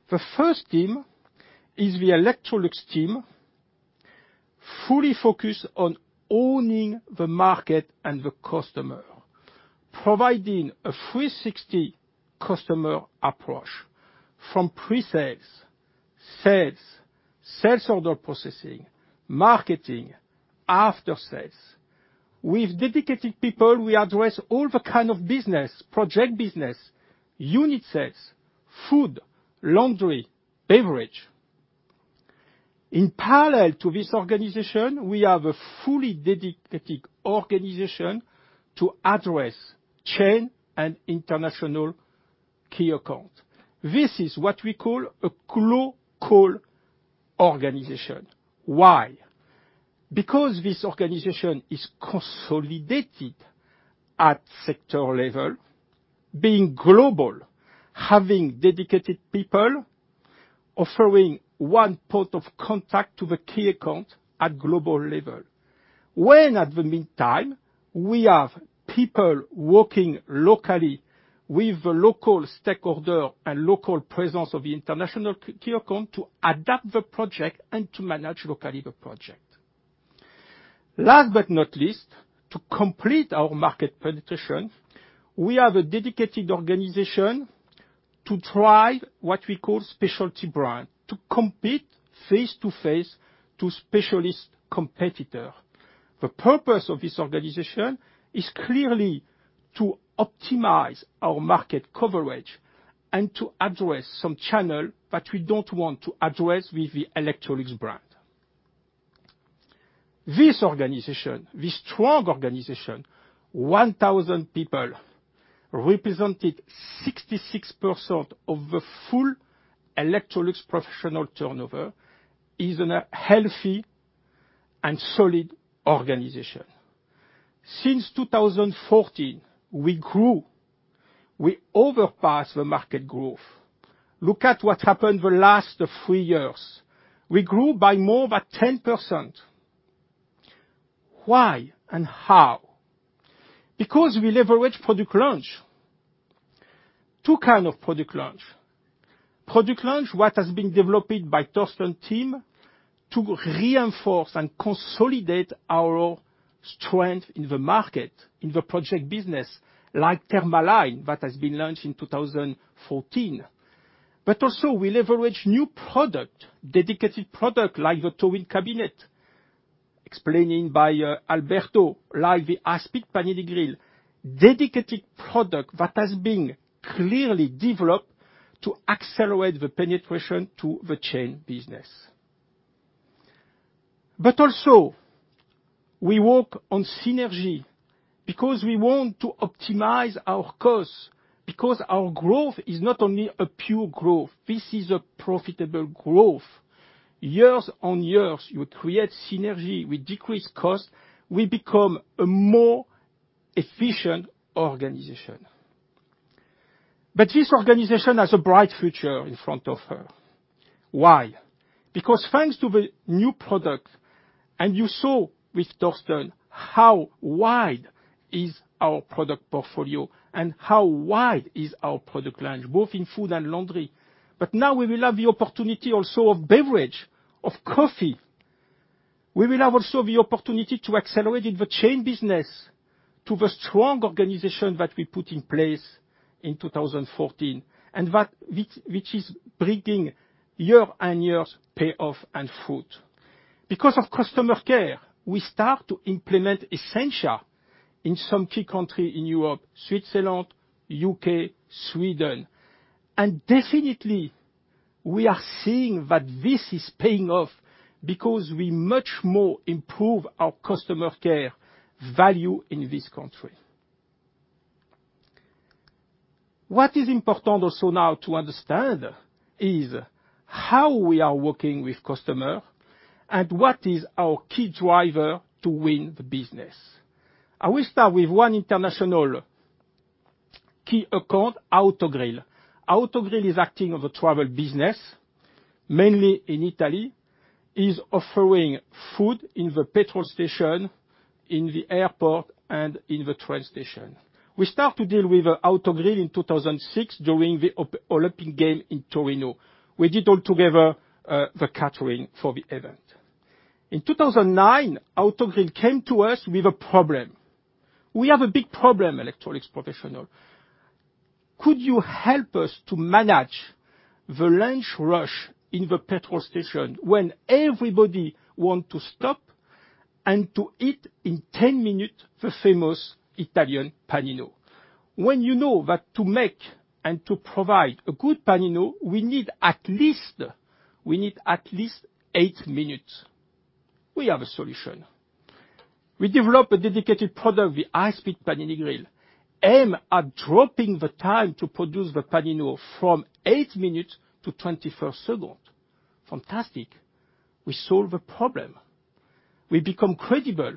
The first team is the Electrolux team, fully focused on owning the market and the customer, providing a 360 customer approach from pre-sales, sales, sales order processing, marketing, after-sales. With dedicated people, we address all the kinds of business, project business, unit sales, food, laundry, beverage. In parallel to this organization, we have a fully dedicated organization to address chain and international key accounts. This is what we call a global organization. Why? Because this organization is consolidated at sector level, being global, having dedicated people, offering one point of contact to the key account at global level. Meanwhile, we have people working locally with the local stakeholders and local presence of the international key account to adapt the project and to manage locally the project. Last but not least, to complete our market penetration, we have a dedicated organization to drive what we call specialty brands, to compete face-to-face to specialist competitors. The purpose of this organization is clearly to optimize our market coverage and to address some channels that we don't want to address with the Electrolux brand. This organization, this strong organization, 1,000 people representing 66% of the full Electrolux Professional turnover, is a healthy and solid organization. Since 2014, we grew. We outperformed the market growth. Look at what happened the last three years. We grew by more than 10%. Why and how? Because we leveraged Product Launch. Two kinds of Product Launch. Product Launch, what has been developed by the Torsten team to reinforce and consolidate our strength in the market, in the project business, like Thermaline that has been launched in 2014. But also, we leveraged new products, dedicated products like the Thaw-in Cabinet, explained by Alberto, like the SpeeDelight, dedicated products that have been clearly developed to accelerate the penetration to the chain business. But also, we work on synergy because we want to optimize our costs, because our growth is not only pure growth. This is a profitable growth. Years on years, we create synergy. We decrease costs. We become a more efficient organization. But this organization has a bright future in front of her. Why? Because thanks to the new products, and you saw with Torsten how wide our product portfolio is and how wide our product line is, both in food and laundry. But now we will have the opportunity also of beverage, of coffee. We will have also the opportunity to accelerate the chain business to the strong organization that we put in place in 2014, which is bringing year-on-year payoff and fruit. Because of customer care, we start to implement Essentia in some key countries in Europe: Switzerland, the UK, Sweden. And definitely, we are seeing that this is paying off because we much more improve our customer care value in this country. What is important also now to understand is how we are working with customers and what is our key driver to win the business. I will start with one international key account, Autogrill. Autogrill is acting as a travel business, mainly in Italy, offering food at the petrol station, in the airport, and in the train station. We started to deal with Autogrill in 2006 during the Olympic Games in Torino. We did altogether the catering for the event. In 2009, Autogrill came to us with a problem. We have a big problem, Electrolux Professional. Could you help us to manage the lunch rush in the petrol station when everybody wants to stop and to eat in 10 minutes the famous Italian panino? When you know that to make and to provide a good panino, we need at least eight minutes. We have a solution. We developed a dedicated product, the SpeeDelight, aimed at dropping the time to produce the panino from eight minutes to 24 seconds. Fantastic. We solved the problem. We became credible.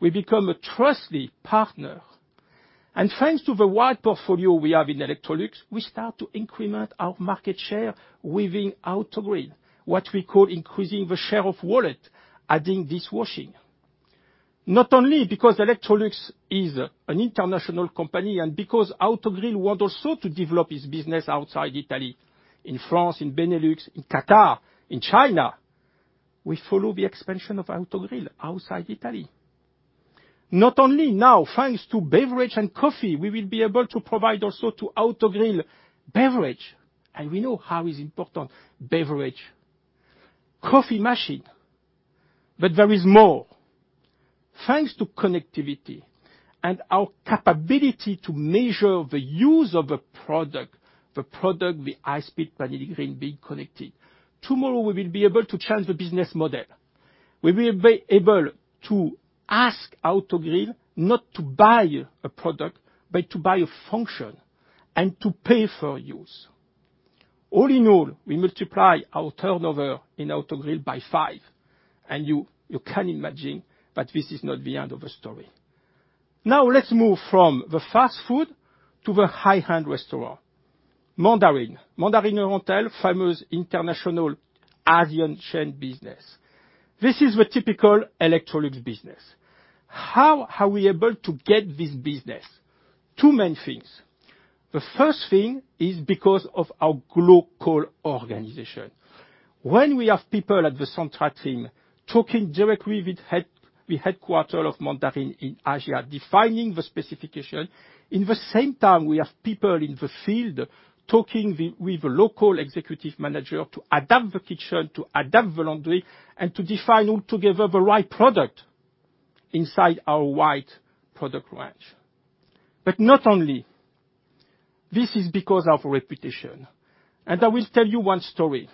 We became a trusted partner. Thanks to the wide portfolio we have in Electrolux, we started to increment our market share within Autogrill, what we call increasing the share of wallet, adding dishwashing. Not only because Electrolux is an international company and because Autogrill wants also to develop its business outside Italy, in France, in Benelux, in Qatar, in China, we follow the expansion of Autogrill outside Italy. Not only now, thanks to beverage and coffee, we will be able to provide also to Autogrill beverage. And we know how important beverage coffee machine is. There is more. Thanks to connectivity and our capability to measure the use of the product, the product, the SpeeDelight being connected, tomorrow we will be able to change the business model. We will be able to ask Autogrill not to buy a product, but to buy a function and to pay for use. All in all, we multiply our turnover in Autogrill by five. And you can imagine that this is not the end of the story. Now let's move from the fast food to the high-end restaurant. Mandarin Oriental, famous international Asian chain business. This is the typical Electrolux business. How are we able to get this business? Two main things. The first thing is because of our global organization. When we have people at the central team talking directly with headquarters of Mandarin Oriental in Asia, defining the specification, at the same time, we have people in the field talking with the local executive manager to adapt the kitchen, to adapt the laundry, and to define altogether the right product inside our wide product range. But not only. This is because of reputation. And I will tell you one story.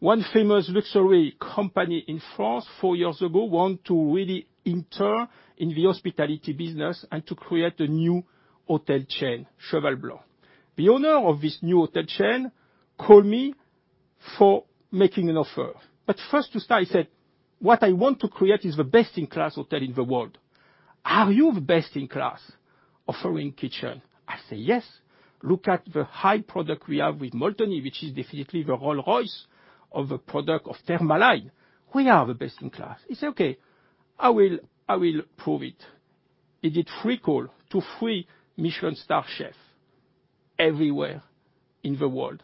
One famous luxury company in France, four years ago, wanted to really enter into the hospitality business and to create a new hotel chain, Cheval Blanc. The owner of this new hotel chain called me for making an offer. But first, to start, he said, "What I want to create is the best-in-class hotel in the world. Are you the best-in-class offering kitchen?" I said, "Yes. Look at the high product we have with Molteni, which is definitely the Rolls-Royce of the product of Thermaline. We are the best-in-class." He said, "Okay. I will prove it." He did three calls to three Michelin star chefs everywhere in the world.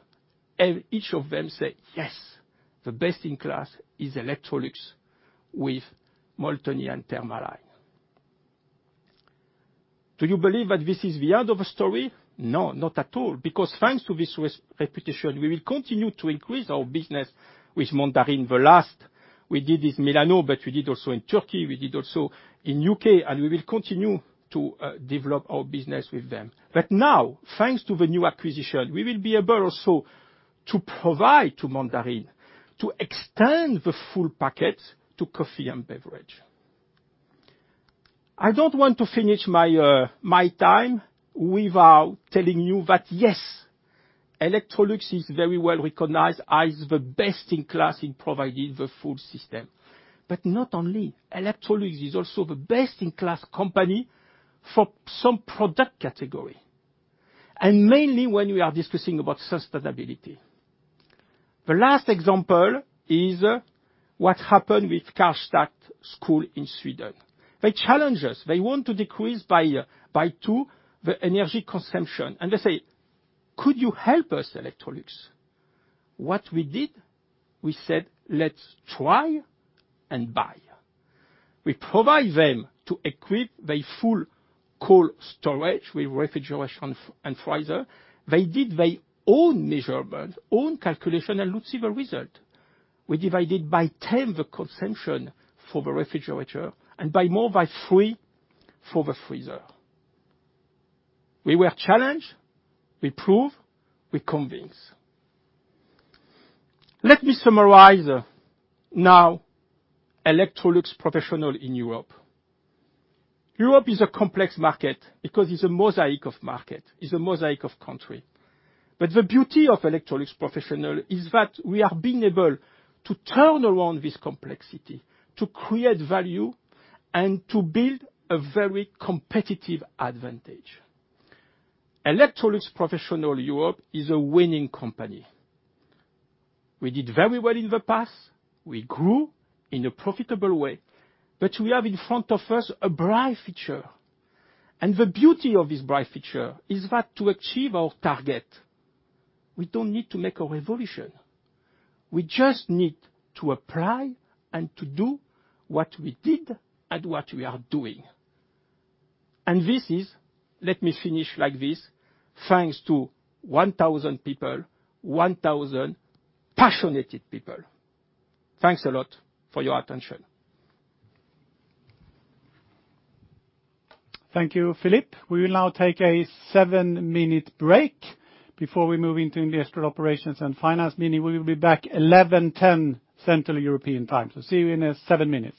Each of them said, "Yes. The best-in-class is Electrolux with Molteni and Thermaline." Do you believe that this is the end of the story? No, not at all. Because thanks to this reputation, we will continue to increase our business with Mandarin. The last we did is Milano, but we did also in Turkey. We did also in the UK. And we will continue to develop our business with them. But now, thanks to the new acquisition, we will be able also to provide to Mandarin to extend the full package to coffee and beverage. I don't want to finish my time without telling you that, yes, Electrolux is very well recognized as the best-in-class in providing the full system. But not only. Electrolux is also the best-in-class company for some product category, and mainly when we are discussing about sustainability. The last example is what happened with Karlstad School in Sweden. They challenged us. They wanted to decrease by two the energy consumption. And they said, "Could you help us, Electrolux?" What we did? We said, "Let's try and buy." We provided them to equip their full cold storage with refrigeration and freezer. They did their own measurements, own calculations, and looked at the result. We divided by 10 the consumption for the refrigerator and by more by three for the freezer. We were challenged. We proved. We convinced. Let me summarize now, Electrolux Professional in Europe. Europe is a complex market because it's a mosaic of markets. It's a mosaic of countries. But the beauty of Electrolux Professional is that we have been able to turn around this complexity, to create value, and to build a very competitive advantage. Electrolux Professional Europe is a winning company. We did very well in the past. We grew in a profitable way. But we have in front of us a bright future. And the beauty of this bright future is that to achieve our target, we don't need to make a revolution. We just need to apply and to do what we did and what we are doing. And this is, let me finish like this, thanks to 1,000 people, 1,000 passionate people. Thanks a lot for your attention. Thank you, Philippe. We will now take a seven-minute break before we move into Industrial Operations and Finance. We will be back at 11:10 A.M. Central European Time. So see you in seven minutes.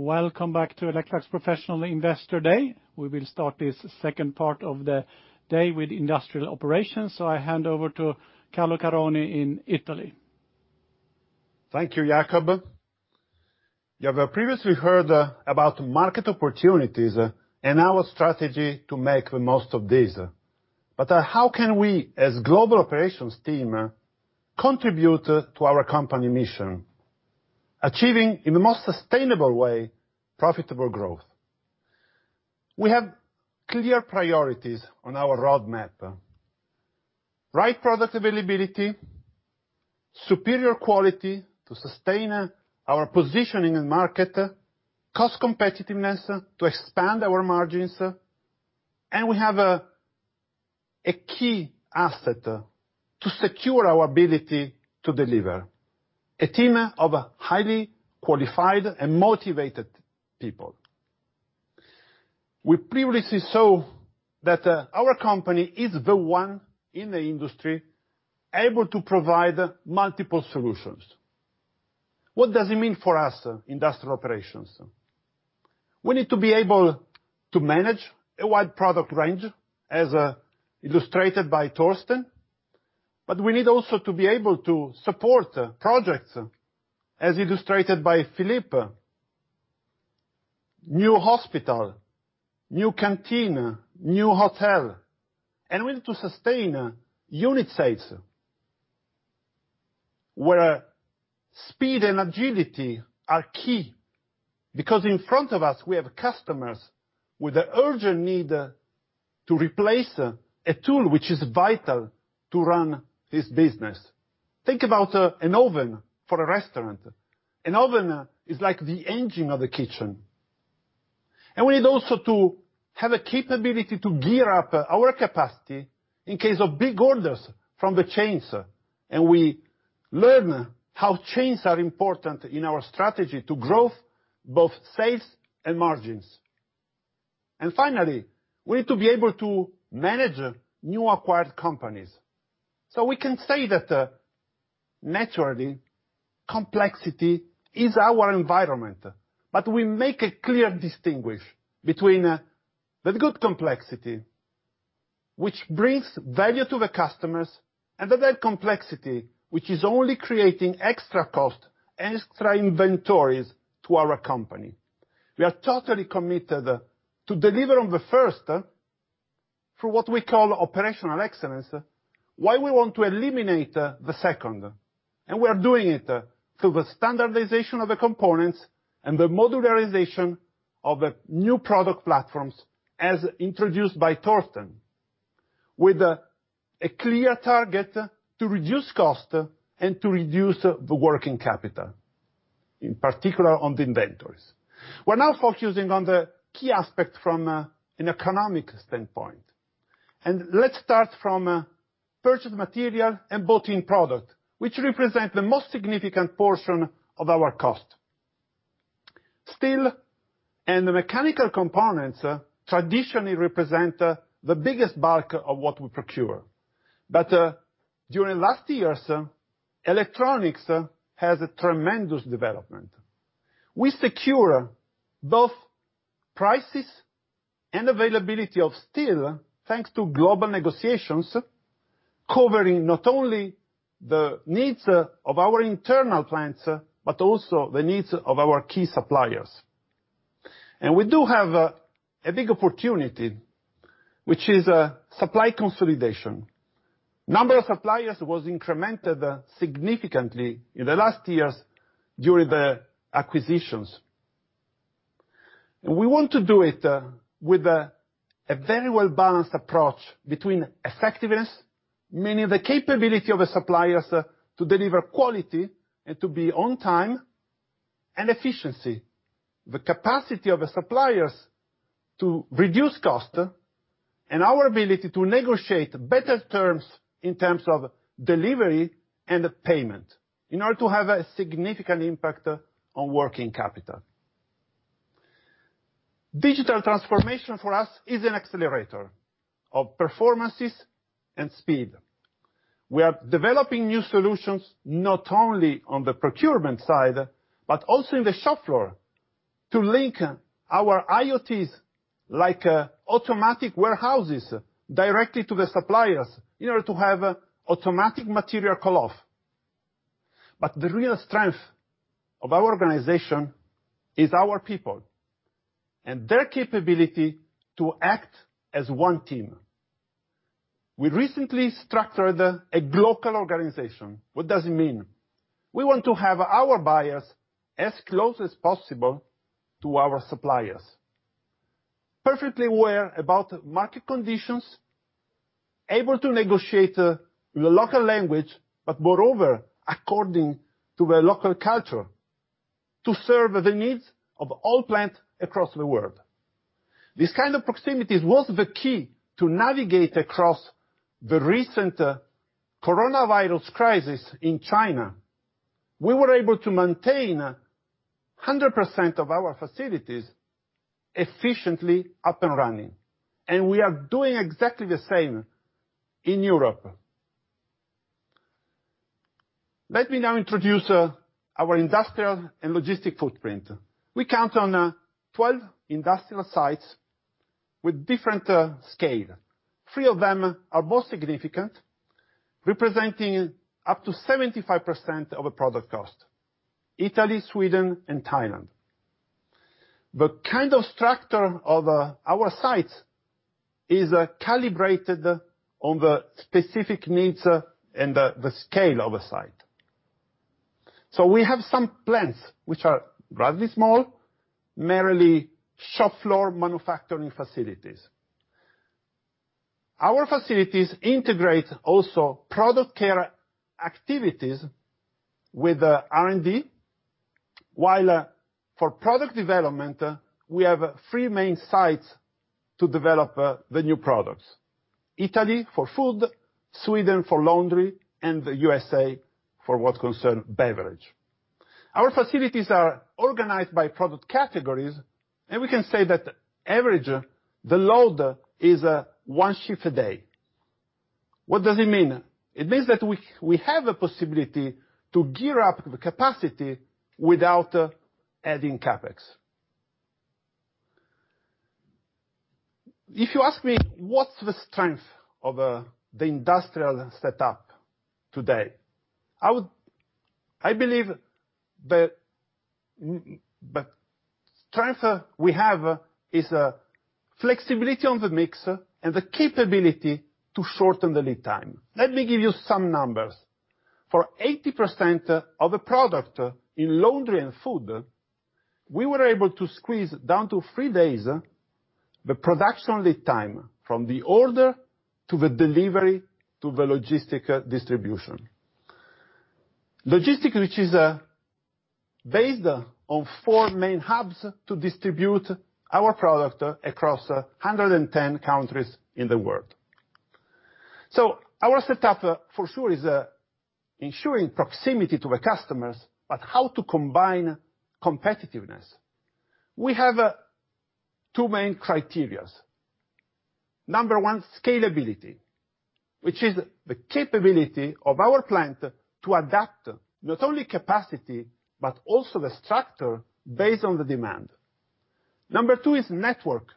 Welcome back to Electrolux Professional Investor Day. We will start this second part of the day with Industrial Operations. So I hand over to Carlo Caroni in Italy. Thank you, Jakob. You have previously heard about market opportunities and our strategy to make the most of these. But how can we, as a global operations team, contribute to our company mission, achieving in the most sustainable way profitable growth? We have clear priorities on our roadmap: right product availability, superior quality to sustain our positioning in the market, cost competitiveness to expand our margins. And we have a key asset to secure our ability to deliver: a team of highly qualified and motivated people. We previously saw that our company is the one in the industry able to provide multiple solutions. What does it mean for us, Industrial Operations? We need to be able to manage a wide product range, as illustrated by Torsten. But we need also to be able to support projects, as illustrated by Philippe, new hospital, new canteen, new hotel. And we need to sustain unit sales where speed and agility are key. Because in front of us, we have customers with an urgent need to replace a tool which is vital to run this business. Think about an oven for a restaurant. An oven is like the engine of the kitchen, and we need also to have a capability to gear up our capacity in case of big orders from the chains, and we learn how chains are important in our strategy to grow both sales and margins, and finally, we need to be able to manage new acquired companies, so we can say that, naturally, complexity is our environment, but we make a clear distinction between the good complexity, which brings value to the customers, and the bad complexity, which is only creating extra cost and extra inventories to our company. We are totally committed to deliver on the first through what we call operational excellence, while we want to eliminate the second. And we are doing it through the standardization of the components and the modularization of the new product platforms, as introduced by Torsten, with a clear target to reduce cost and to reduce the working capital, in particular on the inventories. We're now focusing on the key aspect from an economic standpoint. And let's start from purchase material and built-in product, which represent the most significant portion of our cost. Steel and the mechanical components traditionally represent the biggest bulk of what we procure. But during the last years, electronics has a tremendous development. We secure both prices and availability of steel thanks to global negotiations, covering not only the needs of our internal plants but also the needs of our key suppliers. We do have a big opportunity, which is supply consolidation. The number of suppliers was incremented significantly in the last years during the acquisitions. We want to do it with a very well-balanced approach between effectiveness, meaning the capability of the suppliers to deliver quality and to be on time, and efficiency, the capacity of the suppliers to reduce cost, and our ability to negotiate better terms in terms of delivery and payment in order to have a significant impact on working capital. Digital transformation for us is an accelerator of performances and speed. We are developing new solutions not only on the procurement side but also in the shop floor to link our IoTs like automatic warehouses directly to the suppliers in order to have automatic material call-off. The real strength of our organization is our people and their capability to act as one team. We recently structured a global organization. What does it mean? We want to have our buyers as close as possible to our suppliers, perfectly aware about market conditions, able to negotiate in the local language, but moreover, according to the local culture, to serve the needs of all plants across the world. This kind of proximity was the key to navigate across the recent coronavirus crisis in China. We were able to maintain 100% of our facilities efficiently up and running. And we are doing exactly the same in Europe. Let me now introduce our industrial and logistics footprint. We count on 12 industrial sites with different scales. Three of them are most significant, representing up to 75% of the product cost: Italy, Sweden, and Thailand. The kind of structure of our sites is calibrated on the specific needs and the scale of a site. So we have some plants which are rather small, merely shop floor manufacturing facilities. Our facilities integrate also product care activities with R&D, while for product development, we have three main sites to develop the new products: Italy for food, Sweden for laundry, and the USA for what concerns beverage. Our facilities are organized by product categories, and we can say that average the load is one shift a day. What does it mean? It means that we have a possibility to gear up the capacity without adding CapEx. If you ask me what's the strength of the industrial setup today, I believe the strength we have is flexibility on the mix and the capability to shorten the lead time. Let me give you some numbers. For 80% of the product in laundry and food, we were able to squeeze down to three days the production lead time from the order to the delivery to the logistics distribution. Logistics, which is based on four main hubs to distribute our product across 110 countries in the world. So our setup for sure is ensuring proximity to the customers, but how to combine competitiveness? We have two main criteria. Number one, scalability, which is the capability of our plant to adapt not only capacity but also the structure based on the demand. Number two is network,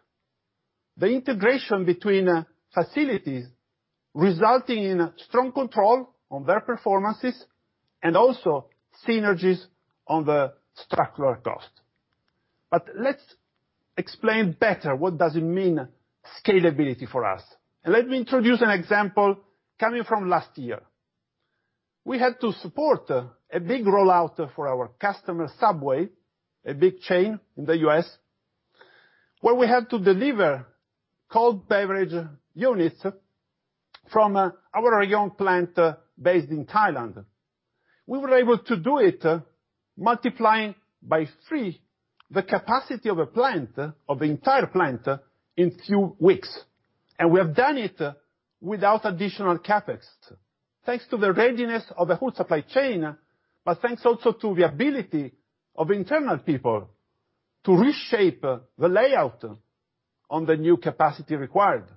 the integration between facilities resulting in strong control on their performances and also synergies on the structural cost. But let's explain better what does it mean, scalability for us. And let me introduce an example coming from last year. We had to support a big rollout for our customer, Subway, a big chain in the U.S., where we had to deliver cold beverage units from our young plant based in Thailand. We were able to do it, multiplying by three the capacity of the entire plant in a few weeks, and we have done it without additional CapEx, thanks to the readiness of the whole supply chain, but thanks also to the ability of internal people to reshape the layout on the new capacity required,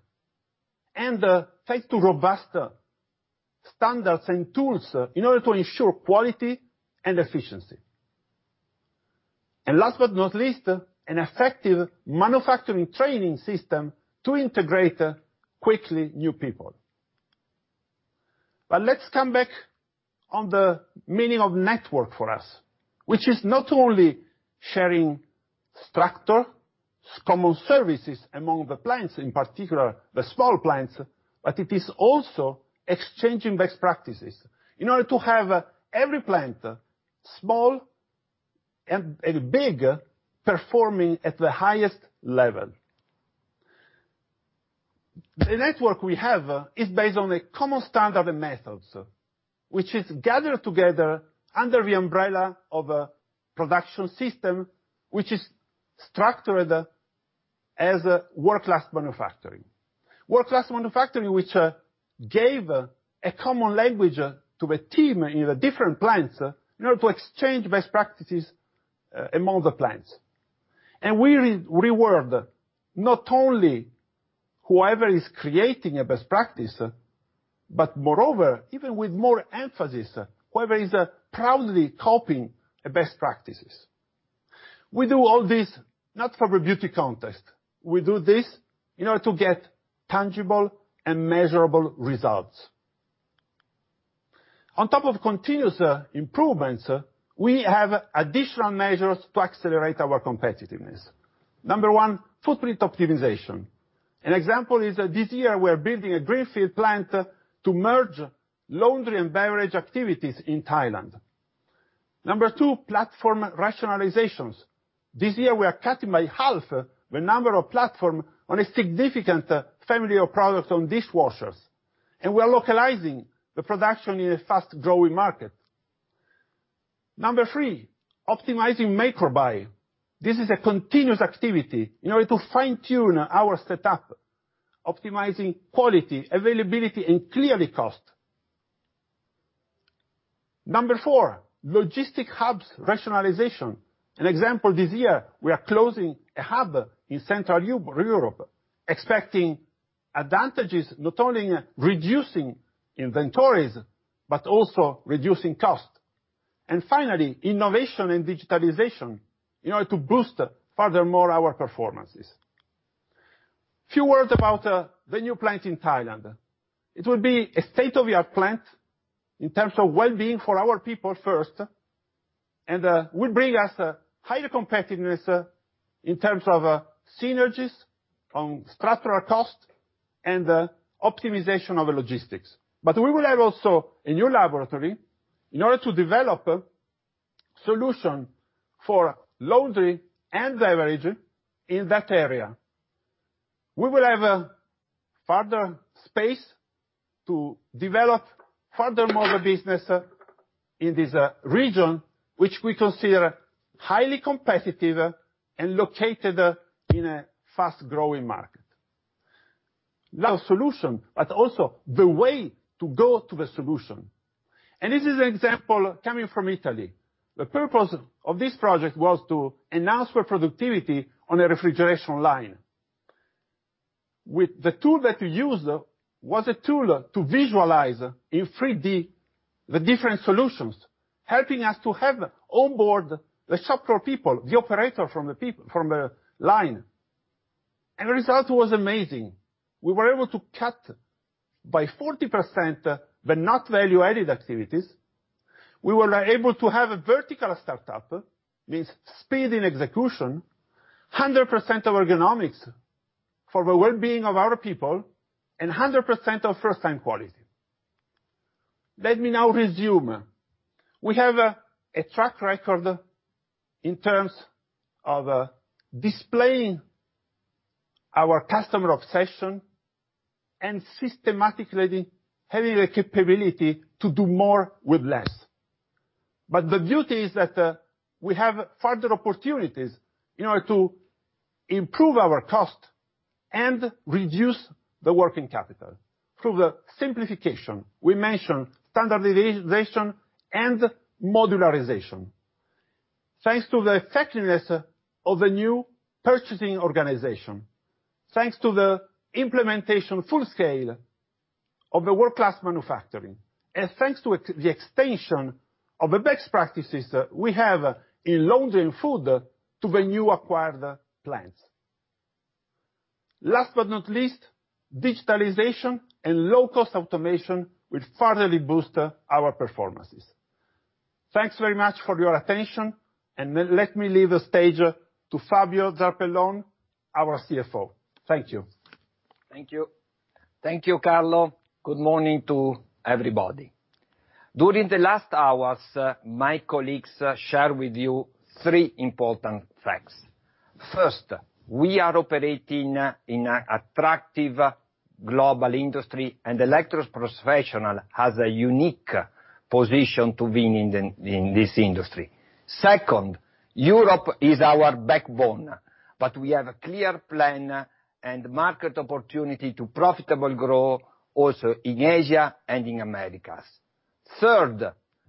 and thanks to robust standards and tools in order to ensure quality and efficiency, and last but not least, an effective manufacturing training system to integrate quickly new people. But let's come back on the meaning of network for us, which is not only sharing structure, common services among the plants, in particular the small plants, but it is also exchanging best practices in order to have every plant, small and big, performing at the highest level. The network we have is based on a common standard and methods, which is gathered together under the umbrella of a production system which is structured as World Class Manufacturing, World Class Manufacturing which gave a common language to the team in the different plants in order to exchange best practices among the plants. And we reward not only whoever is creating a best practice, but moreover, even with more emphasis, whoever is proudly copying best practices. We do all this not for beauty contest. We do this in order to get tangible and measurable results. On top of continuous improvements, we have additional measures to accelerate our competitiveness. Number one, footprint optimization. An example is this year we are building a greenfield plant to merge laundry and beverage activities in Thailand. Number two, platform rationalizations. This year we are cutting by half the number of platforms on a significant family of products on dishwashers. And we are localizing the production in a fast-growing market. Number three, optimizing make-buy. This is a continuous activity in order to fine-tune our setup, optimizing quality, availability, and clearly cost. Number four, logistics hubs rationalization. An example this year, we are closing a hub in Central Europe, expecting advantages not only in reducing inventories but also reducing cost. And finally, innovation and digitalization in order to boost furthermore our performances. A few words about the new plant in Thailand. It will be a state-of-the-art plant in terms of well-being for our people first, and will bring us higher competitiveness in terms of synergies on structural cost and optimization of logistics, but we will have also a new laboratory in order to develop a solution for laundry and beverage in that area. We will have further space to develop furthermore the business in this region, which we consider highly competitive and located in a fast-growing market. Last, the solution, but also the way to go to the solution and this is an example coming from Italy. The purpose of this project was to enhance productivity on a refrigeration line. The tool that we used was a tool to visualize in 3D the different solutions, helping us to have onboard the shop floor people, the operators from the line. And the result was amazing. We were able to cut by 40% the non-value-added activities. We were able to have a vertical startup, means speed in execution, 100% of ergonomics for the well-being of our people, and 100% of first-time quality. Let me now resume. We have a track record in terms of displaying our customer obsession and systematically having the capability to do more with less. But the beauty is that we have further opportunities in order to improve our cost and reduce the working capital. Through the simplification, we mentioned standardization and modularization, thanks to the effectiveness of the new purchasing organization, thanks to the implementation full-scale of the World Class Manufacturing, and thanks to the extension of the best practices we have in laundry and food to the new acquired plants. Last but not least, digitalization and low-cost automation will further boost our performances. Thanks very much for your attention. And let me leave the stage to Fabio Zarpellon, our CFO. Thank you. Thank you. Thank you, Carlo. Good morning to everybody. During the last hours, my colleagues shared with you three important facts. First, we are operating in an attractive global industry, and the Electrolux Professional has a unique position to win in this industry. Second, Europe is our backbone, but we have a clear plan and market opportunity to profitably grow also in Asia and in the Americas. Third,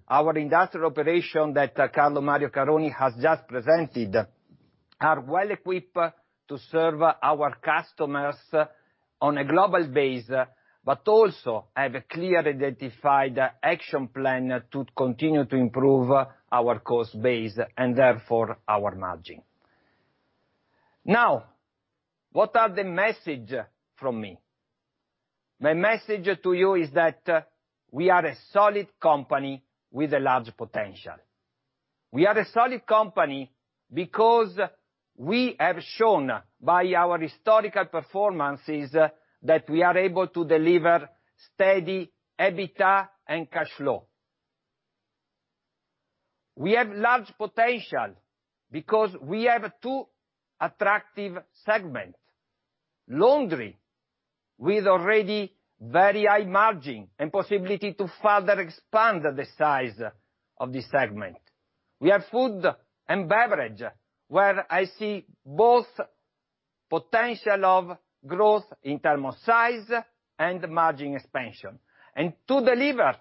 our industrial operation that Carlo Mario Caroni has just presented is well-equipped to serve our customers on a global base, but also have a clear identified action plan to continue to improve our cost base and therefore our margin. Now, what are the messages from me? My message to you is that we are a solid company with a large potential. We are a solid company because we have shown by our historical performances that we are able to deliver steady EBITDA and cash flow. We have large potential because we have two attractive segments: laundry with already very high margin and possibility to further expand the size of the segment. We have food and beverage, where I see both potential of growth in terms of size and margin expansion, and to deliver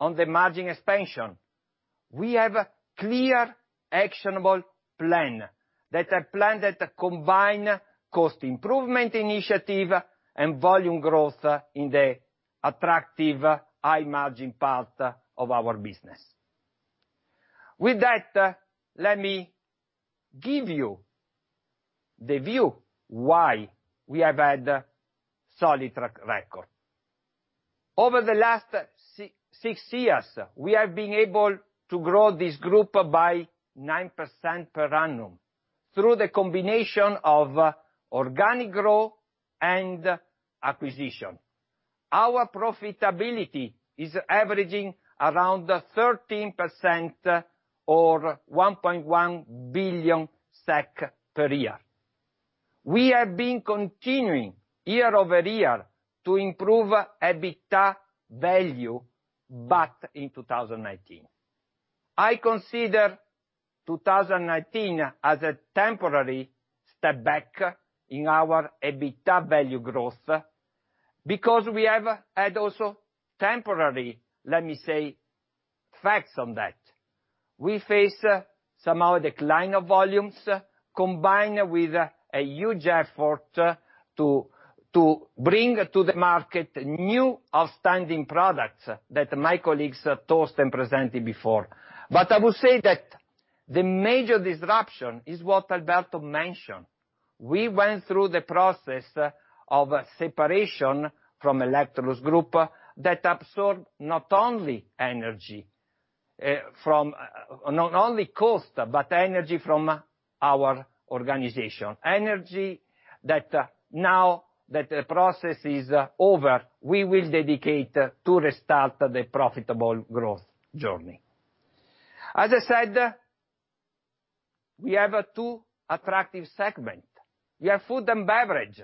on the margin expansion, we have a clear actionable plan that is a plan that combines cost improvement initiative and volume growth in the attractive high-margin part of our business. With that, let me give you the view why we have had a solid record. Over the last six years, we have been able to grow this group by 9% per annum through the combination of organic growth and acquisition. Our profitability is averaging around 13% or 1.1 billion SEK per year. We have been continuing year over year to improve EBITDA value, but in 2019, I consider 2019 as a temporary step back in our EBITDA value growth because we have had also temporary, let me say, facts on that. We faced some decline of volumes combined with a huge effort to bring to the market new outstanding products that my colleagues told and presented before. But I will say that the major disruption is what Alberto mentioned. We went through the process of separation from Electrolux Group that absorbed not only energy from not only cost, but energy from our organization. Energy that now that the process is over, we will dedicate to restart the profitable growth journey. As I said, we have two attractive segments. We have food and beverage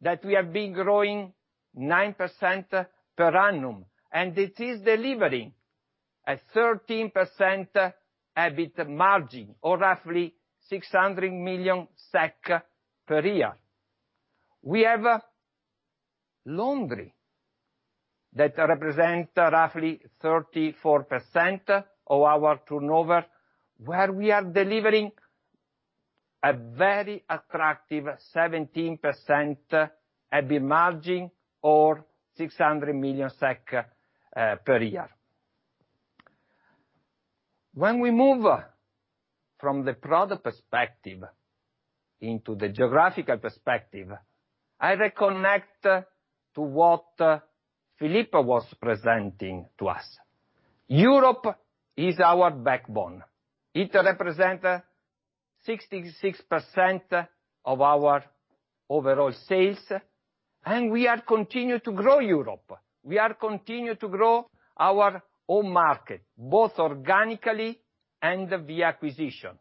that we have been growing 9% per annum, and it is delivering a 13% EBITDA margin or roughly 600 million SEK per year. We have laundry that represents roughly 34% of our turnover, where we are delivering a very attractive 17% EBITDA margin or 600 million SEK per year. When we move from the product perspective into the geographical perspective, I reconnect to what Philippe was presenting to us. Europe is our backbone. It represents 66% of our overall sales, and we are continuing to grow Europe. We are continuing to grow our own market, both organically and via acquisition.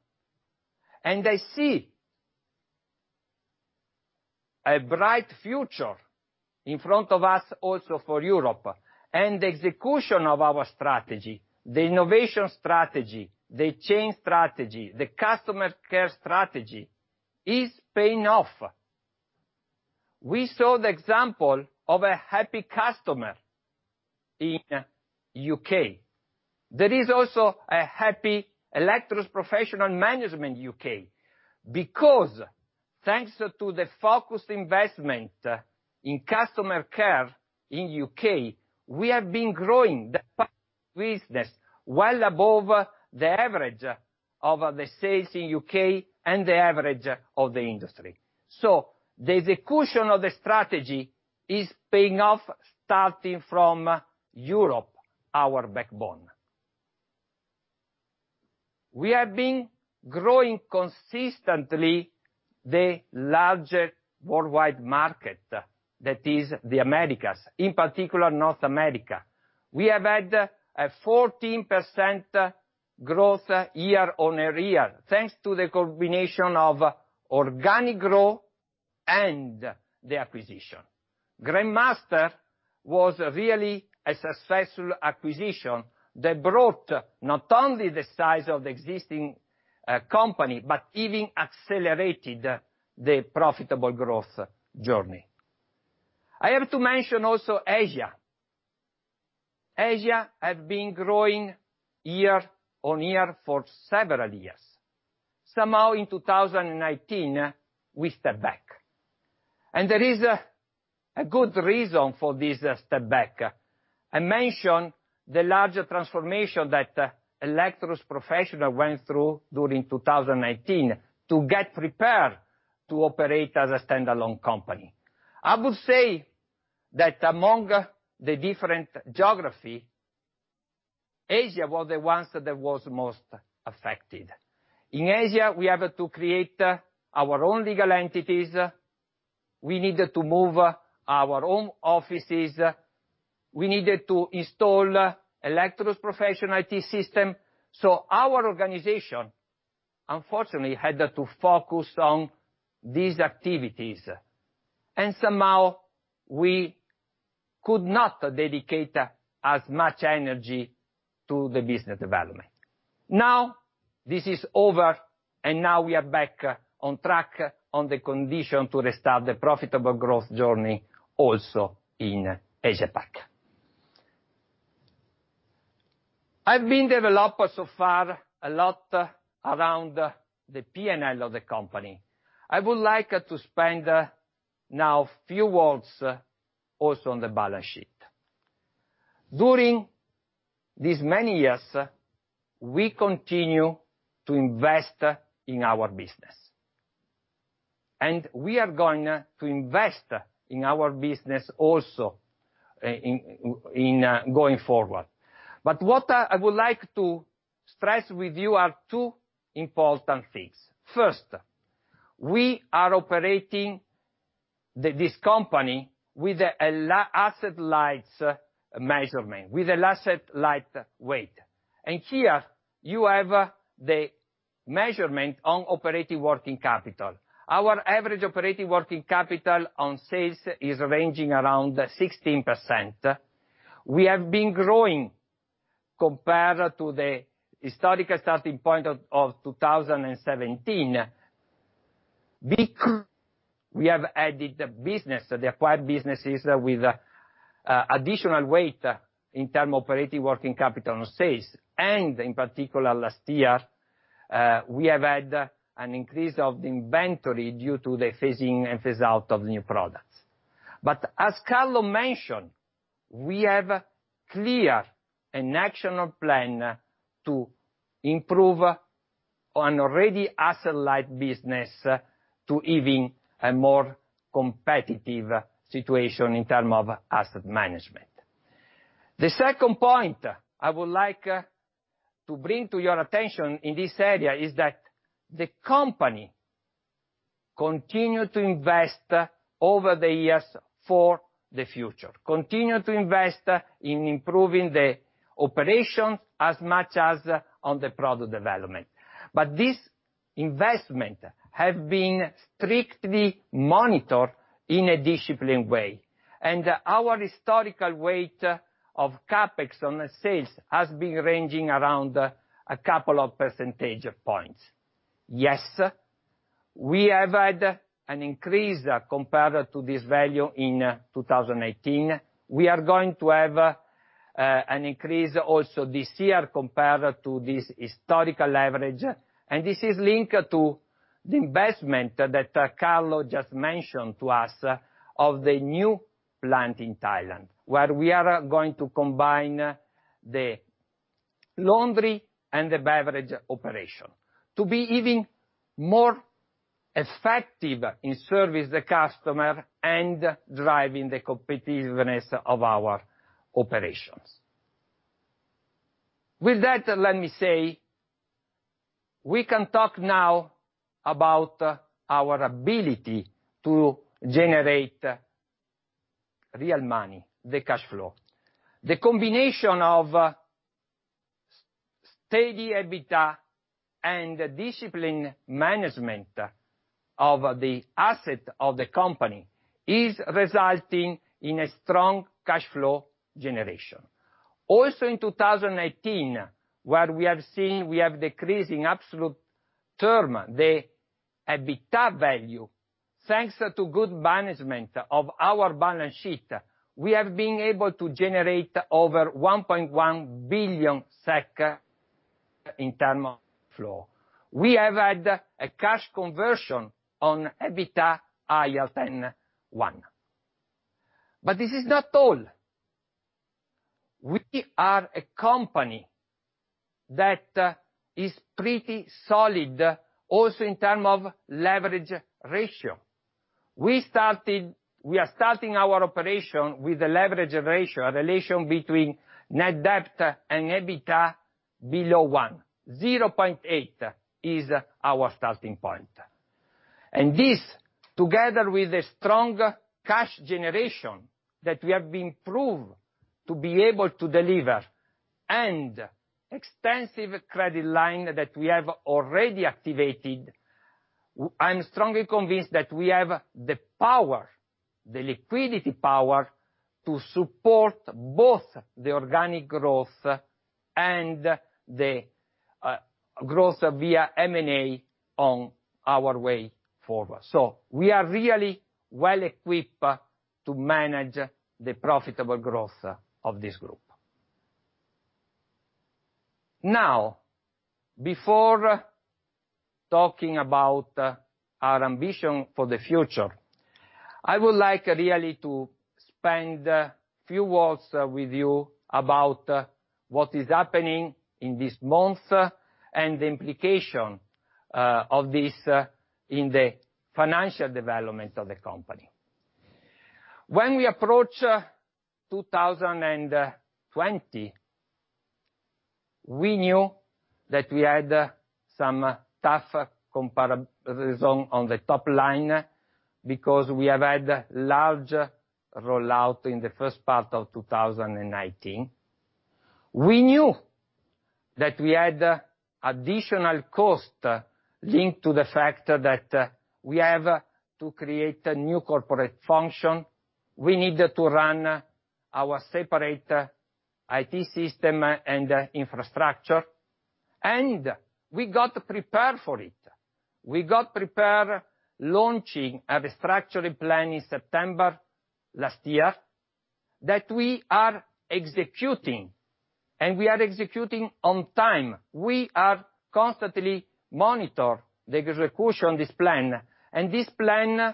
I see a bright future in front of us also for Europe and the execution of our strategy, the innovation strategy, the change strategy, the customer care strategy is paying off. We saw the example of a happy customer in the UK. There is also a happy Electrolux Professional Management UK because thanks to the focused investment in customer care in the UK, we have been growing the business well above the average of the sales in the UK and the average of the industry, so the execution of the strategy is paying off starting from Europe, our backbone. We have been growing consistently the larger worldwide market that is the Americas, in particular North America. We have had a 14% growth year on year thanks to the combination of organic growth and the acquisition. Grindmaster was really a successful acquisition that brought not only the size of the existing company, but even accelerated the profitable growth journey. I have to mention also Asia. Asia has been growing year on year for several years. Somehow in 2019, we stepped back, and there is a good reason for this step back. I mentioned the larger transformation that Electrolux Professional went through during 2019 to get prepared to operate as a standalone company. I would say that among the different geographies, Asia was the one that was most affected. In Asia, we had to create our own legal entities. We needed to move our own offices. We needed to install Electrolux Professional IT system, so our organization, unfortunately, had to focus on these activities, and somehow we could not dedicate as much energy to the business development. Now this is over, and now we are back on track on the condition to restart the profitable growth journey also in Asia-Pac. I've been developed so far a lot around the P&L of the company. I would like to spend now a few words also on the balance sheet. During these many years, we continue to invest in our business. We are going to invest in our business also in going forward. But what I would like to stress with you are two important things. First, we are operating this company with an asset-light measurement, with an asset-light weight. And here you have the measurement on operating working capital. Our average operating working capital on sales is ranging around 16%. We have been growing compared to the historical starting point of 2017. We have added business, the acquired businesses with additional weight in terms of operating working capital on sales. And in particular, last year, we have had an increase of the inventory due to the phasing and phase-out of the new products. But as Carlo mentioned, we have a clear and actionable plan to improve an already asset-light business to even a more competitive situation in terms of asset management. The second point I would like to bring to your attention in this area is that the company continued to invest over the years for the future, continued to invest in improving the operations as much as on the product development. But this investment has been strictly monitored in a disciplined way. And our historical weight of CapEx on sales has been ranging around a couple of percentage points. Yes, we have had an increase compared to this value in 2018. We are going to have an increase also this year compared to this historical average. And this is linked to the investment that Carlo just mentioned to us of the new plant in Thailand, where we are going to combine the laundry and the beverage operation to be even more effective in serving the customer and driving the competitiveness of our operations. With that, let me say we can talk now about our ability to generate real money, the cash flow. The combination of steady EBITDA and disciplined management of the assets of the company is resulting in a strong cash flow generation. Also in 2018, where we have seen we have decreased in absolute terms the EBITDA value, thanks to good management of our balance sheet, we have been able to generate over 1.1 billion SEK in terms of cash flow. We have had a cash conversion on EBITDA higher than one. But this is not all. We are a company that is pretty solid also in terms of leverage ratio. We are starting our operations with a leverage ratio, a relation between net debt and EBITDA below one. 0.8 is our starting point. And this, together with the strong cash generation that we have been proved to be able to deliver and extensive credit line that we have already activated, I'm strongly convinced that we have the power, the liquidity power to support both the organic growth and the growth via M&A on our way forward. So we are really well equipped to manage the profitable growth of this group. Now, before talking about our ambition for the future, I would like really to spend a few words with you about what is happening in this month and the implication of this in the financial development of the company. When we approached 2020, we knew that we had some tough comparisons on the top line because we have had large rollout in the first part of 2019. We knew that we had additional costs linked to the fact that we have to create a new corporate function. We needed to run our separate IT system and infrastructure, and we got prepared for it. We got prepared launching a restructuring plan in September last year that we are executing, and we are executing on time. We are constantly monitoring the execution of this plan, and this plan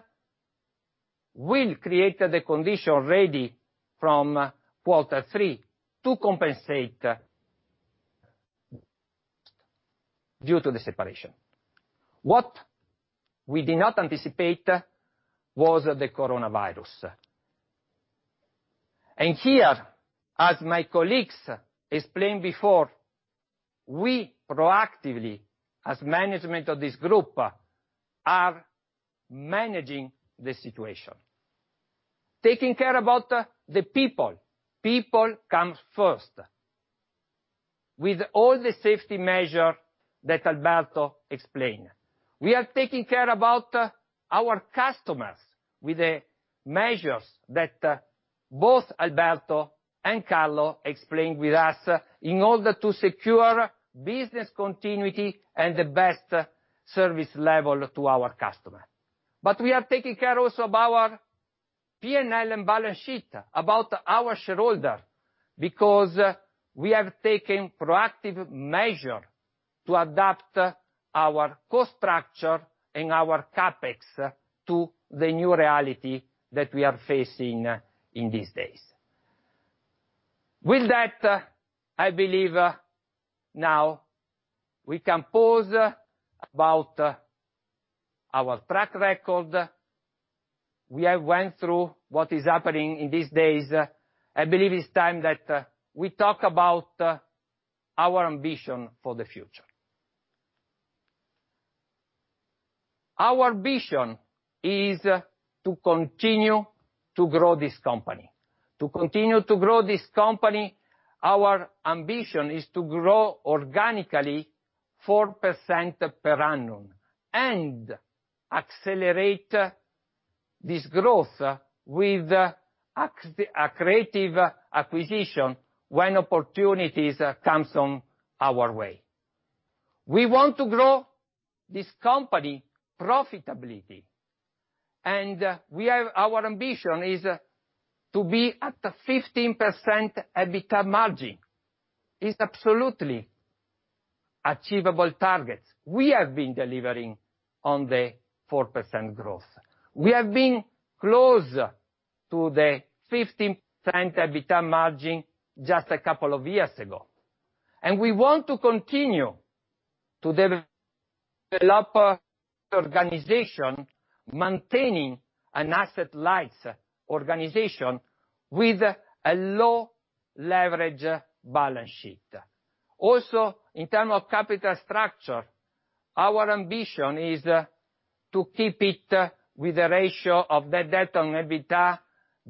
will create the condition ready from quarter three to compensate due to the separation. What we did not anticipate was the coronavirus, and here, as my colleagues explained before, we proactively, as management of this group, are managing the situation, taking care about the people. People come first. With all the safety measures that Alberto explained, we are taking care about our customers with the measures that both Alberto and Carlo explained with us in order to secure business continuity and the best service level to our customers. But we are taking care also of our P&L and balance sheet, about our shareholders, because we have taken proactive measures to adapt our cost structure and our CapEx to the new reality that we are facing in these days. With that, I believe now we can pause about our track record. We have gone through what is happening in these days. I believe it's time that we talk about our ambition for the future. Our ambition is to continue to grow this company. To continue to grow this company, our ambition is to grow organically 4% per annum and accelerate this growth with a creative acquisition when opportunities come our way. We want to grow this company profitability. And our ambition is to be at 15% EBITDA margin. It's absolutely achievable targets. We have been delivering on the 4% growth. We have been close to the 15% EBITDA margin just a couple of years ago. And we want to continue to develop the organization, maintaining an asset-light organization with a low leverage balance sheet. Also, in terms of capital structure, our ambition is to keep it with a ratio of net debt on EBITDA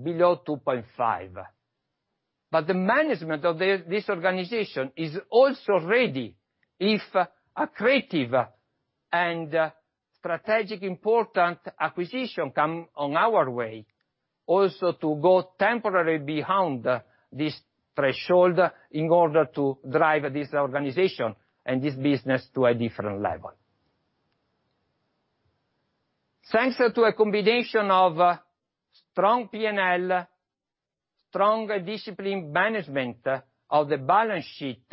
below 2.5. But the management of this organization is also ready if a creative and strategically important acquisition comes our way also to go temporarily beyond this threshold in order to drive this organization and this business to a different level. Thanks to a combination of strong P&L, strong discipline management of the balance sheet,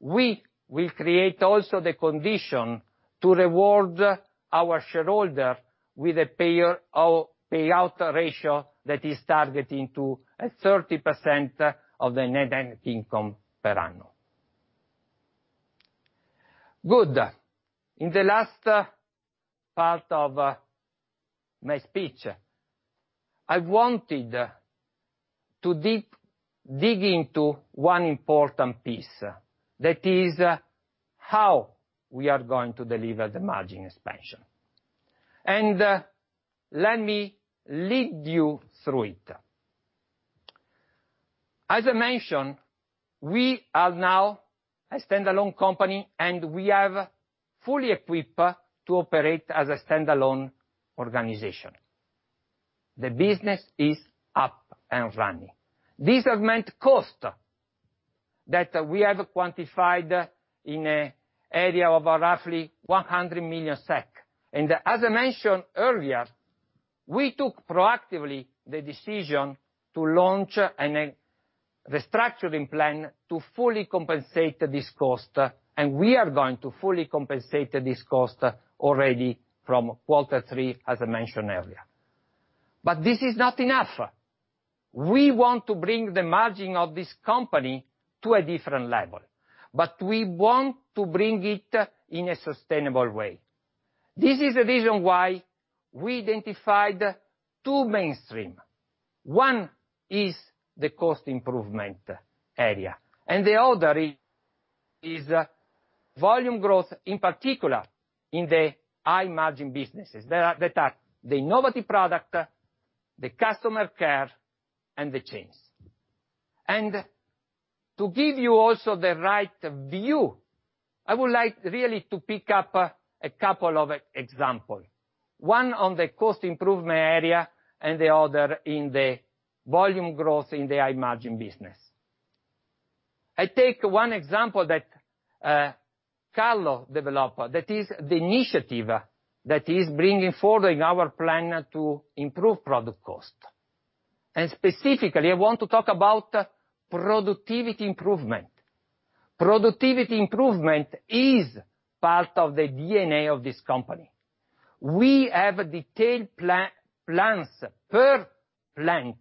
we will create also the condition to reward our shareholders with a payout ratio that is targeting to 30% of the net income per annum. Good. In the last part of my speech, I wanted to dig into one important piece that is how we are going to deliver the margin expansion. And let me lead you through it. As I mentioned, we are now a standalone company, and we are fully equipped to operate as a standalone organization. The business is up and running. This has meant costs that we have quantified in an area of roughly 100 million SEK, and as I mentioned earlier, we took proactively the decision to launch a restructuring plan to fully compensate this cost, and we are going to fully compensate this cost already from quarter three, as I mentioned earlier, but this is not enough. We want to bring the margin of this company to a different level, but we want to bring it in a sustainable way. This is the reason why we identified two mainstreams. One is the cost improvement area, and the other is volume growth, in particular in the high-margin businesses that are the innovative product, the customer care, and the chains. To give you also the right view, I would like really to pick up a couple of examples, one on the cost improvement area and the other in the volume growth in the high-margin business. I take one example that Carlo developed, that is the initiative that is bringing forward our plan to improve product cost. And specifically, I want to talk about productivity improvement. Productivity improvement is part of the DNA of this company. We have detailed plans per plant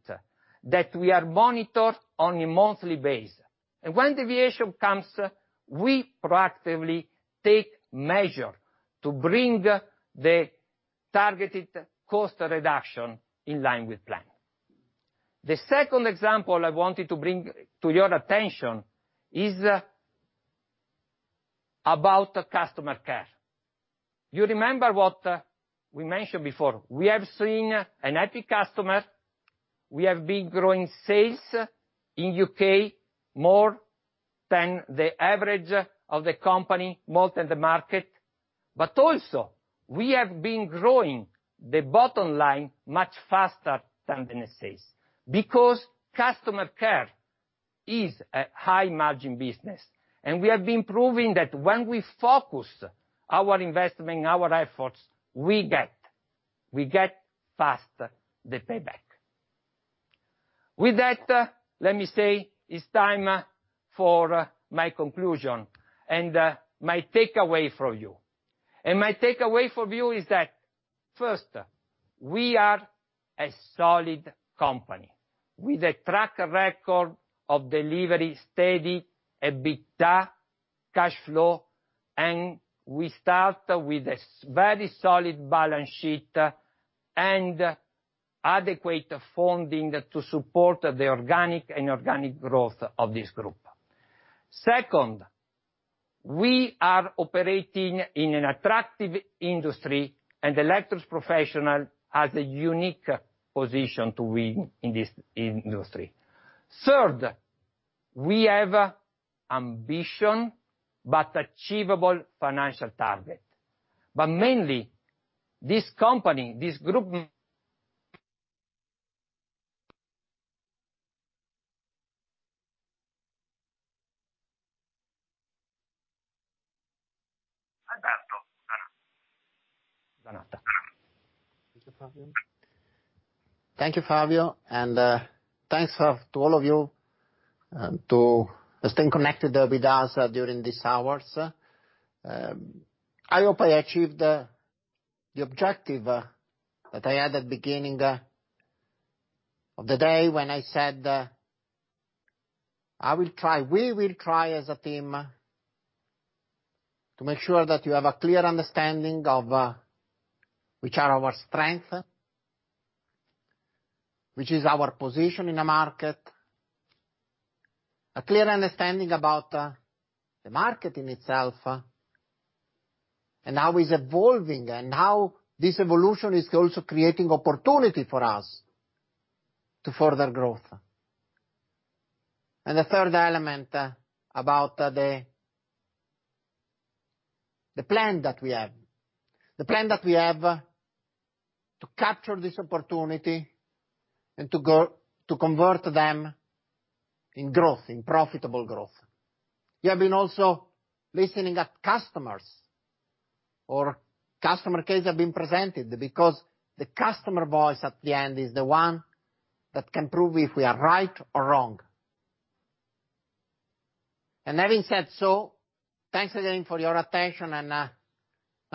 that we are monitoring on a monthly basis. And when deviation comes, we proactively take measures to bring the targeted cost reduction in line with the plan. The second example I wanted to bring to your attention is about customer care. You remember what we mentioned before. We have seen an epic customer. We have been growing sales in the UK more than the average of the company, more than the market, but also, we have been growing the bottom line much faster than the sales. Because customer care is a high-margin business, and we have been proving that when we focus our investment and our efforts, we get fast the payback. With that, let me say it's time for my conclusion and my takeaway for you, and my takeaway for you is that, first, we are a solid company with a track record of delivering steady EBITDA, cash flow, and we start with a very solid balance sheet and adequate funding to support the organic growth of this group. Second, we are operating in an attractive industry, and Electrolux Professional has a unique position to win in this industry. Third, we have ambition but achievable financial targets. But mainly, this company, this group. Alberto. Thank you, Fabio. And thanks to all of you to stay connected with us during these hours. I hope I achieved the objective that I had at the beginning of the day when I said, "We will try as a team to make sure that you have a clear understanding of which are our strengths, which is our position in the market, a clear understanding about the market in itself, and how it's evolving, and how this evolution is also creating opportunity for us to further growth." And the third element about the plan that we have, the plan that we have to capture this opportunity and to convert them in growth, in profitable growth. You have been also listening to customers, or customer cases have been presented because the customer voice at the end is the one that can prove if we are right or wrong. Having said so, thanks again for your attention. Now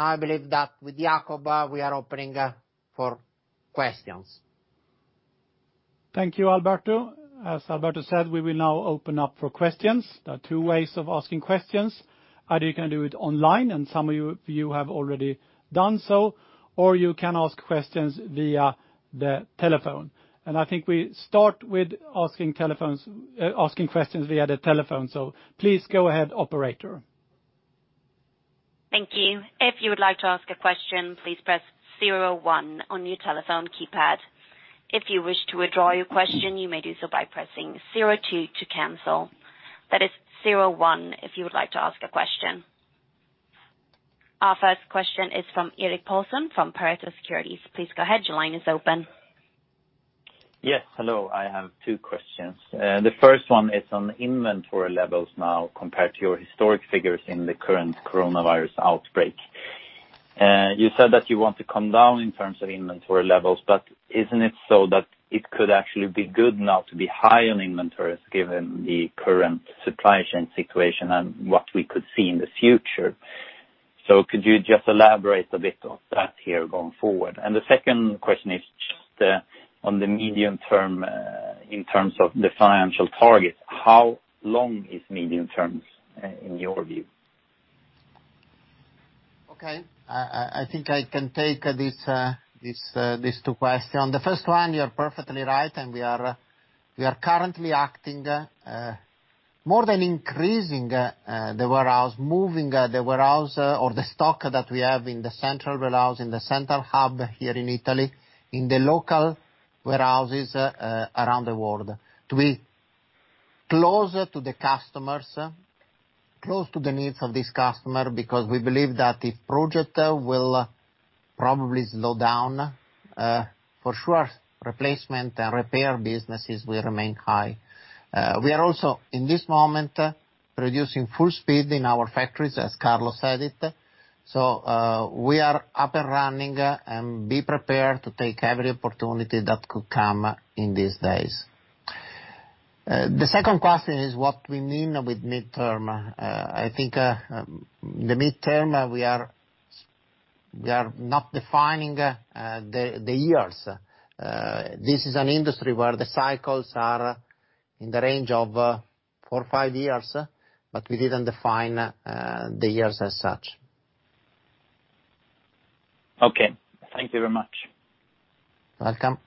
I believe that with Jakob, we are opening for questions. Thank you, Alberto. As Alberto said, we will now open up for questions. There are two ways of asking questions. Either you can do it online, and some of you have already done so, or you can ask questions via the telephone, and I think we start with asking questions via the telephone, so please go ahead, operator. Thank you. If you would like to ask a question, please press 01 on your telephone keypad. If you wish to withdraw your question, you may do so by pressing 02 to cancel. That is 01 if you would like to ask a question. Our first question is from Erik Paulsson from Pareto Securities. Please go ahead. Your line is open. Yes. Hello. I have two questions. The first one is on inventory levels now compared to your historic figures in the current coronavirus outbreak. You said that you want to come down in terms of inventory levels, but isn't it so that it could actually be good now to be high on inventories given the current supply chain situation and what we could see in the future? So could you just elaborate a bit on that here going forward? And the second question is just on the medium term in terms of the financial targets. How long is medium term in your view? Okay. I think I can take these two questions. The first one, you're perfectly right, and we are currently acting more than increasing the warehouse, moving the warehouse or the stock that we have in the central warehouse, in the central hub here in Italy, in the local warehouses around the world to be closer to the customers, close to the needs of these customers, because we believe that if projects will probably slow down, for sure, replacement and repair businesses will remain high. We are also, in this moment, producing full speed in our factories, as Carlo said it, so we are up and running and be prepared to take every opportunity that could come in these days. The second question is what we mean with midterm. I think the midterm, we are not defining the years. This is an industry where the cycles are in the range of four, five years, but we didn't define the years as such. Okay. Thank you very much. Welcome.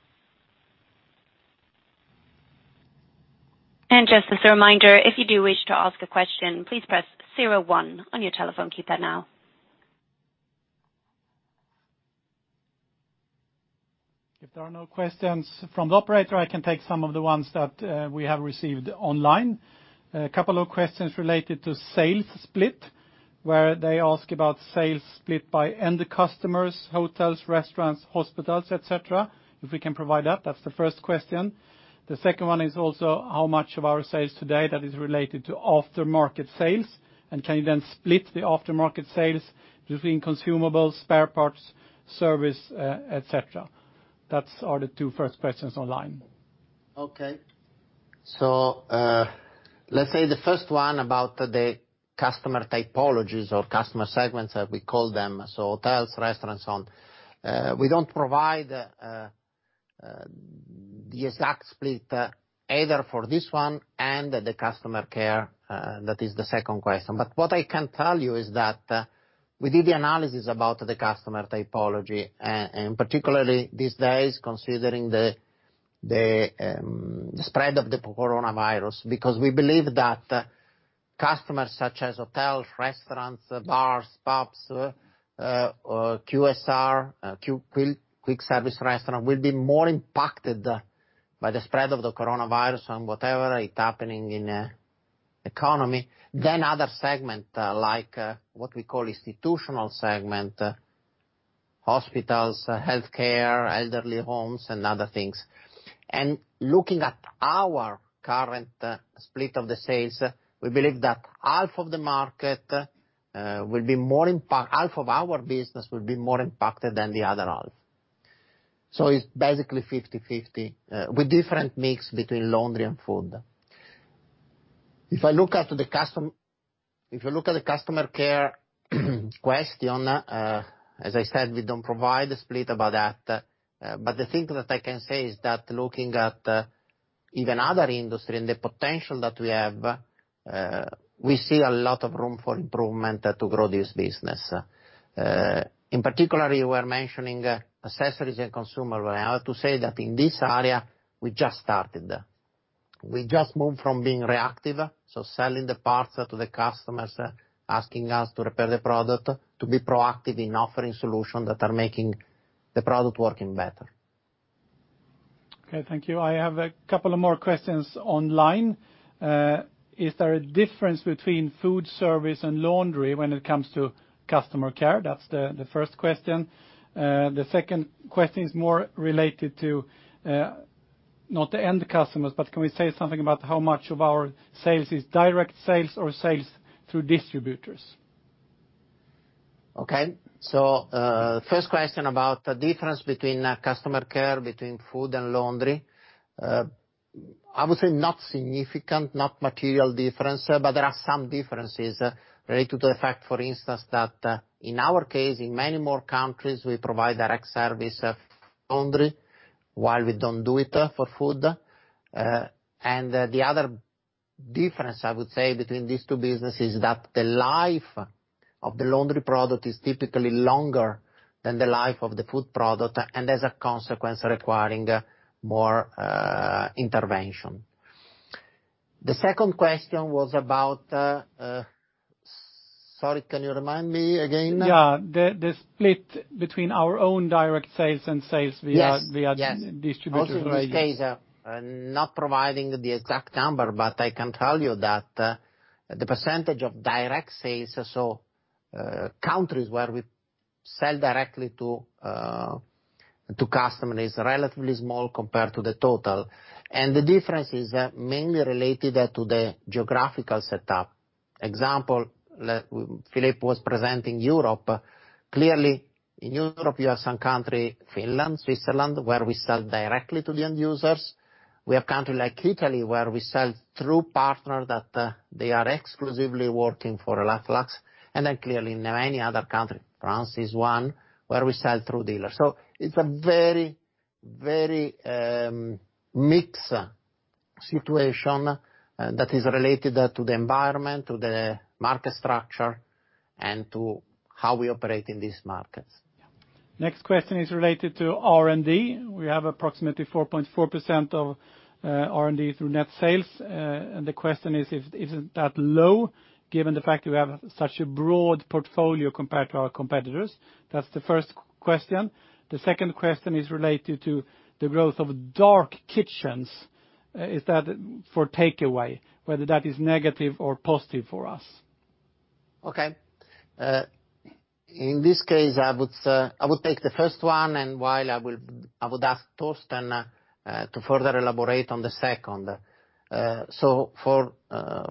Just as a reminder, if you do wish to ask a question, please press 01 on your telephone keypad now. If there are no questions from the operator, I can take some of the ones that we have received online. A couple of questions related to sales split, where they ask about sales split by end customers, hotels, restaurants, hospitals, et cetera. If we can provide that, that's the first question. The second one is also how much of our sales today that is related to aftermarket sales and can you then split the aftermarket sales between consumables, spare parts, service, et cetera? That's the those first questions online. Okay. So let's say the first one about the customer typologies or customer segments, as we call them, so hotels, restaurants, and so on. We don't provide the exact split either for this one and the customer care. That is the second question. But what I can tell you is that we did the analysis about the customer typology, and particularly these days, considering the spread of the coronavirus, because we believe that customers such as hotels, restaurants, bars, pubs, QSR, quick service restaurants will be more impacted by the spread of the coronavirus and whatever is happening in the economy than other segments like what we call institutional segments, hospitals, healthcare, elderly homes, and other things. And looking at our current split of the sales, we believe that half of the market will be more impacted. Half of our business will be more impacted than the other half. So it's basically 50/50 with different mix between laundry and food. If I look at the customer, if you look at the customer care question, as I said, we don't provide a split about that. But the thing that I can say is that looking at even other industries and the potential that we have, we see a lot of room for improvement to grow this business. In particular, you were mentioning accessories and consumables. I have to say that in this area, we just started. We just moved from being reactive, so selling the parts to the customers asking us to repair the product, to be proactive in offering solutions that are making the product working better. Okay. Thank you. I have a couple of more questions online. Is there a difference between food service and laundry when it comes to customer care? That's the first question. The second question is more related to not the end customers, but can we say something about how much of our sales is direct sales or sales through distributors? Okay. So first question about the difference between customer care between food and laundry. I would say not significant, not material difference, but there are some differences related to the fact, for instance, that in our case, in many more countries, we provide direct service for laundry while we don't do it for food. And the other difference, I would say, between these two businesses is that the life of the laundry product is typically longer than the life of the food product, and as a consequence, requiring more intervention. The second question was about, sorry, can you remind me again? Yeah. The split between our own direct sales and sales via distributors. I'm sorry, not providing the exact number, but I can tell you that the percentage of direct sales, so countries where we sell directly to customers, is relatively small compared to the total, and the difference is mainly related to the geographical setup. Example, Philippe was presenting Europe. Clearly, in Europe, you have some countries, Finland, Switzerland, where we sell directly to the end users. We have countries like Italy where we sell through partners that they are exclusively working for Electrolux, and then clearly, in many other countries, France is one where we sell through dealers, so it's a very, very mixed situation that is related to the environment, to the market structure, and to how we operate in these markets. Next question is related to R&D. We have approximately 4.4% of R&D through net sales. And the question is, is that low given the fact that we have such a broad portfolio compared to our competitors? That's the first question. The second question is related to the growth of dark kitchens. Is that for takeaway, whether that is negative or positive for us? Okay. In this case, I would take the first one. And while I will ask Torsten to further elaborate on the second, so for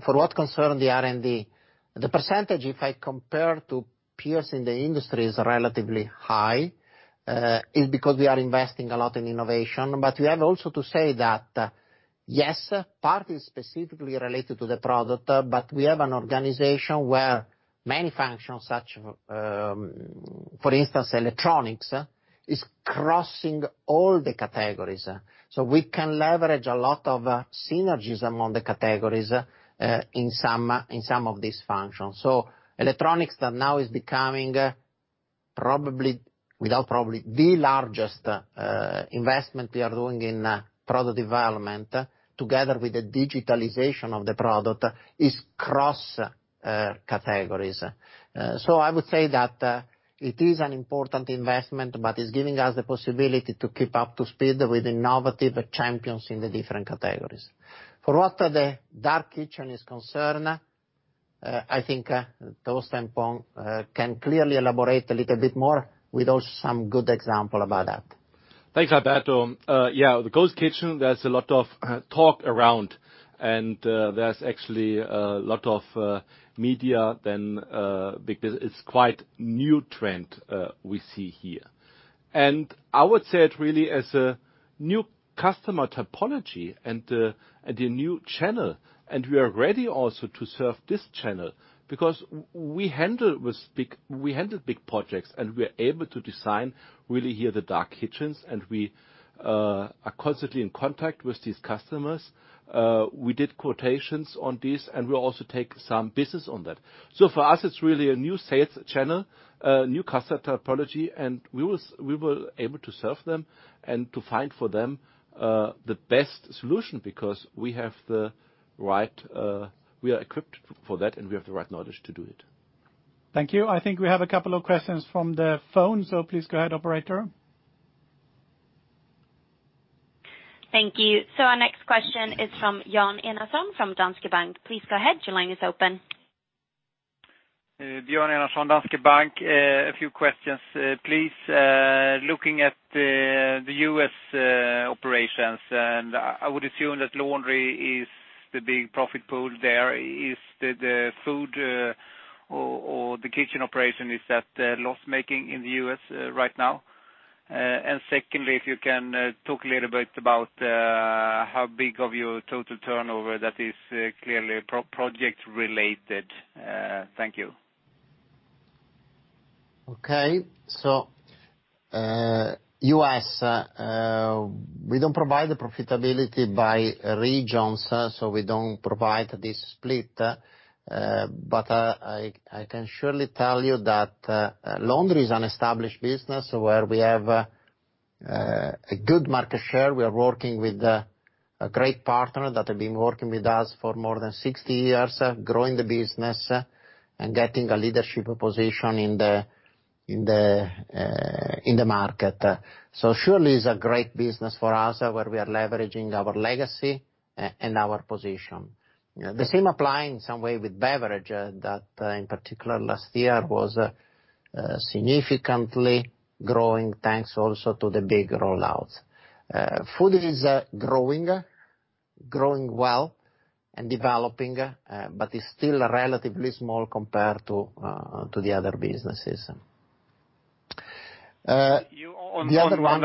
what concerns the R&D, the percentage, if I compare to peers in the industry, is relatively high. It's because we are investing a lot in innovation. But we have also to say that, yes, part is specifically related to the product, but we have an organization where many functions, such as, for instance, electronics, are crossing all the categories, so we can leverage a lot of synergies among the categories in some of these functions, so electronics that now is becoming probably, without probably, the largest investment we are doing in product development together with the digitalization of the product is cross-categories. So I would say that it is an important investment, but it's giving us the possibility to keep up to speed with innovative champions in the different categories. For what the dark kitchen is concerned, I think Torsten can clearly elaborate a little bit more with also some good examples about that. Thanks, Alberto. Yeah. The ghost kitchen, there's a lot of talk around, and there's actually a lot of media then because it's quite a new trend we see here. And I would say it really as a new customer typology and a new channel. And we are ready also to serve this channel because we handle big projects, and we are able to design really here the dark kitchens, and we are constantly in contact with these customers. We did quotations on this, and we also take some business on that. So for us, it's really a new sales channel, a new customer typology, and we were able to serve them and to find for them the best solution because we have the right, we are equipped for that, and we have the right knowledge to do it. Thank you. I think we have a couple of questions from the phone. So please go ahead, operator. Thank you. So our next question is from Björn Enarson from Danske Bank. Please go ahead. Your line is open. Björn Enarson, Danske Bank. A few questions, please. Looking at the U.S. operations, and I would assume that laundry is the big profit pool there. Is the food or the kitchen operation, is that loss-making in the U.S. right now? And secondly, if you can talk a little bit about how big of your total turnover that is clearly project-related. Thank you. Okay. So U.S., we don't provide profitability by regions, so we don't provide this split. But I can surely tell you that laundry is an established business where we have a good market share. We are working with a great partner that has been working with us for more than 60 years, growing the business and getting a leadership position in the market. So surely it's a great business for us where we are leveraging our legacy and our position. The same applies in some way with beverage that, in particular, last year was significantly growing thanks also to the big rollouts. Food is growing, growing well and developing, but it's still relatively small compared to the other businesses. On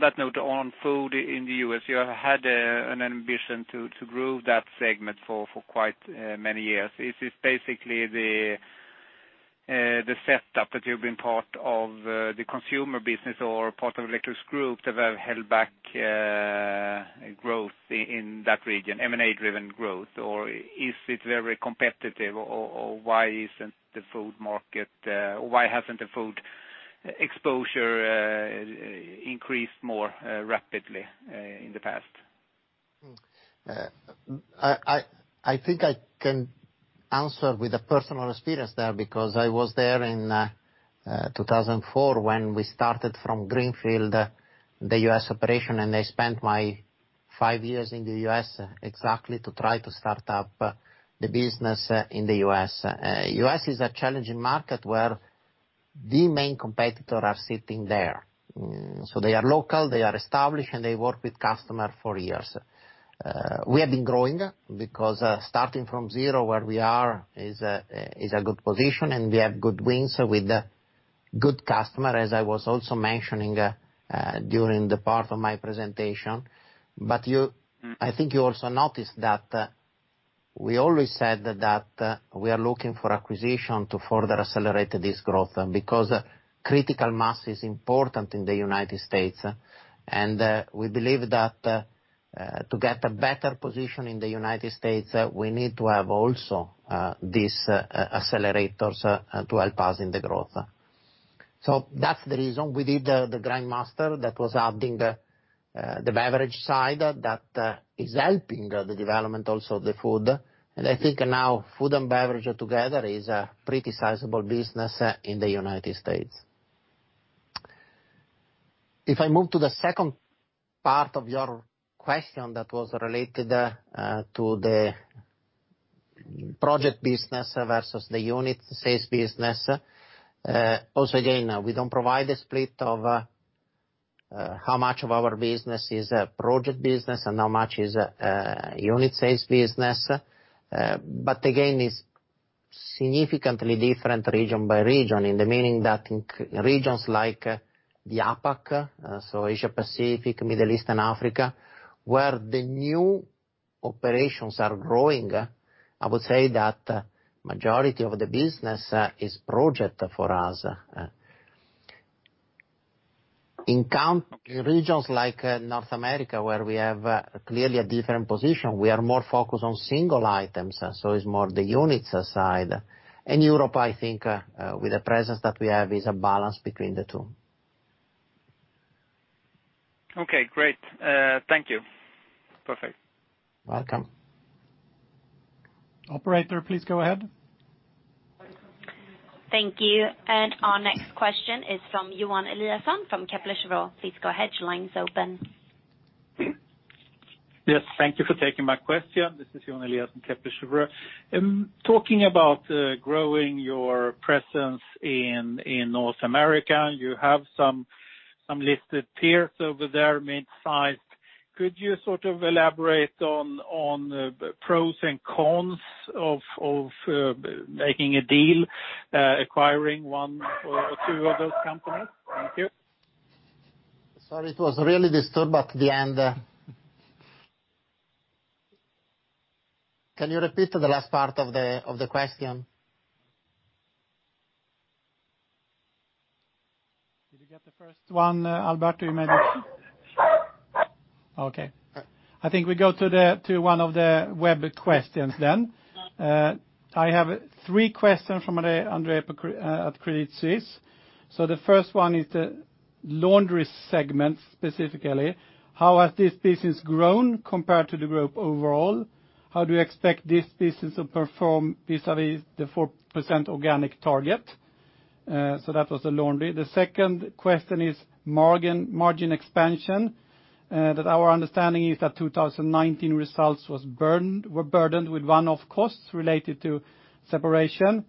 that note, on food in the U.S., you have had an ambition to grow that segment for quite many years. Is it basically the setup that you've been part of the consumer business or part of Electrolux Group that have held back growth in that region, M&A-driven growth? Or is it very competitive, or why isn't the food market, or why hasn't the food exposure increased more rapidly in the past? I think I can answer with a personal experience there because I was there in 2004 when we started from greenfield, the U.S. operation, and I spent my five years in the U.S. exactly to try to start up the business in the U.S. U.S. is a challenging market where the main competitors are sitting there. So they are local, they are established, and they work with customers for years. We have been growing because starting from zero where we are is a good position, and we have good wins with good customers, as I was also mentioning during the part of my presentation. But I think you also noticed that we always said that we are looking for acquisition to further accelerate this growth because critical mass is important in the United States. And we believe that to get a better position in the United States, we need to have also these accelerators to help us in the growth. So that's the reason we did the Grindmaster that was adding the beverage side that is helping the development also of the food. And I think now food and beverage together is a pretty sizable business in the United States. If I move to the second part of your question that was related to the project business versus the unit sales business, also again, we don't provide a split of how much of our business is a project business and how much is a unit sales business. Again, it's significantly different region by region in the meaning that in regions like the APAC, so Asia-Pacific, Middle East, and Africa, where the new operations are growing, I would say that the majority of the business is project for us. In regions like North America, where we have clearly a different position, we are more focused on single items, so it's more the units side. And Europe, I think with the presence that we have, is a balance between the two. Okay. Great. Thank you. Perfect. Welcome. Operator, please go ahead. Thank you. And our next question is from Johan Eliason from Kepler Chevreux. Please go ahead. Your line is open. Yes. Thank you for taking my question. This is Johan Eliason from Kepler Cheuvreux. Talking about growing your presence in North America, you have some listed peers over there, mid-sized. Could you sort of elaborate on the pros and cons of making a deal, acquiring one or two of those companies? Thank you. Sorry, it was really disturbed at the end. Can you repeat the last part of the question? Did you get the first one, Alberto? You made it. Okay. I think we go to one of the web questions then. I have three questions from Andre at Credit Suisse. So the first one is the laundry segment specifically. How has this business grown compared to the group overall? How do you expect this business to perform vis-à-vis the 4% organic target? So that was the laundry. The second question is margin expansion. Our understanding is that 2019 results were burdened with one-off costs related to separation.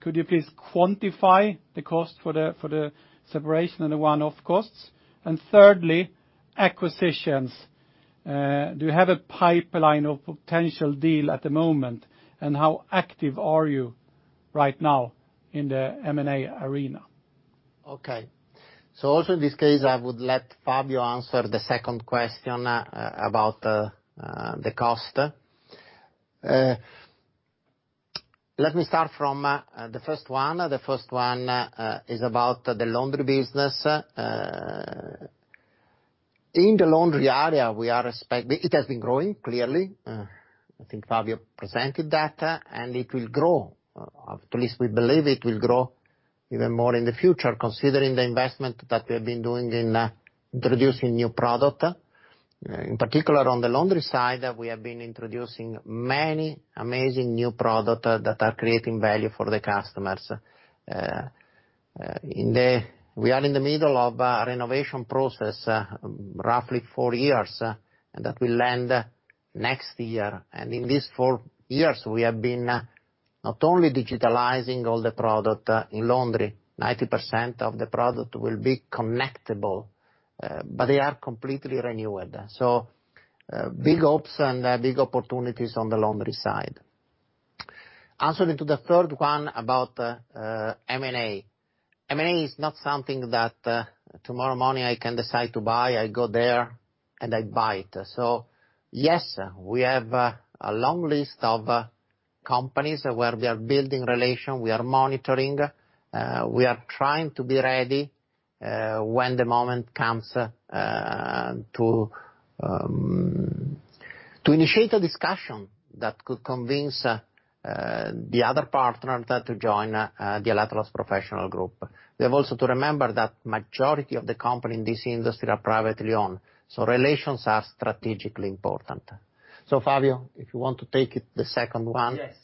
Could you please quantify the cost for the separation and the one-off costs? And thirdly, acquisitions. Do you have a pipeline of potential deal at the moment? And how active are you right now in the M&A arena? Okay. So also in this case, I would let Fabio answer the second question about the cost. Let me start from the first one. The first one is about the laundry business. In the laundry area, we are expecting it has been growing clearly. I think Fabio presented that, and it will grow, at least we believe it will grow even more in the future considering the investment that we have been doing in introducing new products. In particular, on the laundry side, we have been introducing many amazing new products that are creating value for the customers. We are in the middle of a renovation process, roughly four years, that will end next year, and in these four years, we have been not only digitizing all the product in laundry. 90% of the product will be connectable, but they are completely renewed. So big hopes and big opportunities on the laundry side. Answering to the third one about M&A. M&A is not something that tomorrow morning I can decide to buy. I go there and I buy it. So yes, we have a long list of companies where we are building relations. We are monitoring. We are trying to be ready when the moment comes to initiate a discussion that could convince the other partners to join the Electrolux Professional Group. We have also to remember that the majority of the companies in this industry are privately owned. So relations are strategically important. So Fabio, if you want to take the second one. Yes.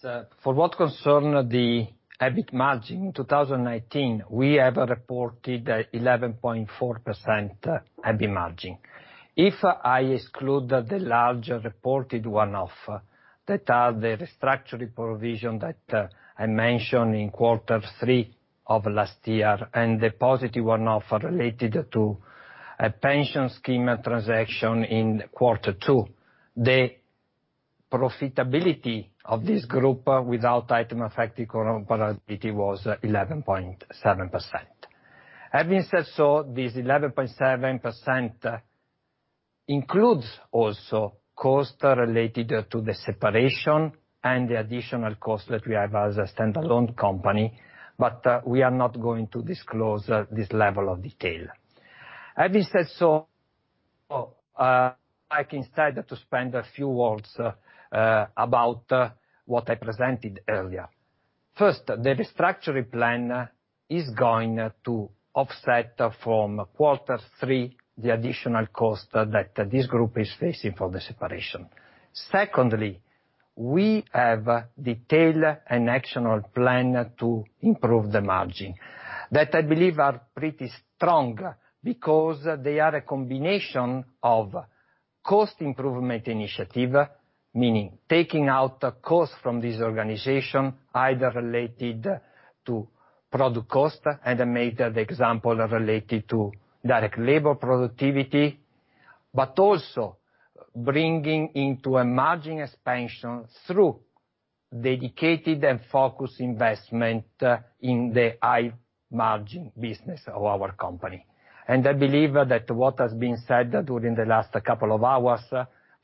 For what concerns the EBIT margin in 2019, we have reported 11.4% EBIT margin. If I exclude the large reported one-off, that are the restructuring provision that I mentioned in quarter three of last year and the positive one-off related to a pension scheme transaction in quarter two, the profitability of this group without items affecting comparability was 11.7%. Having said so, this 11.7% includes also costs related to the separation and the additional costs that we have as a standalone company, but we are not going to disclose this level of detail. Having said so, I can start to spend a few words about what I presented earlier. First, the restructuring plan is going to offset from quarter three the additional cost that this group is facing for the separation. Secondly, we have a detailed and actionable plan to improve the margins that I believe are pretty strong because they are a combination of cost improvement initiatives, meaning taking out costs from this organization either related to product cost, and I made the example related to direct labor productivity, but also bringing into a margin expansion through dedicated and focused investment in the high-margin business of our company, and I believe that what has been said during the last couple of hours,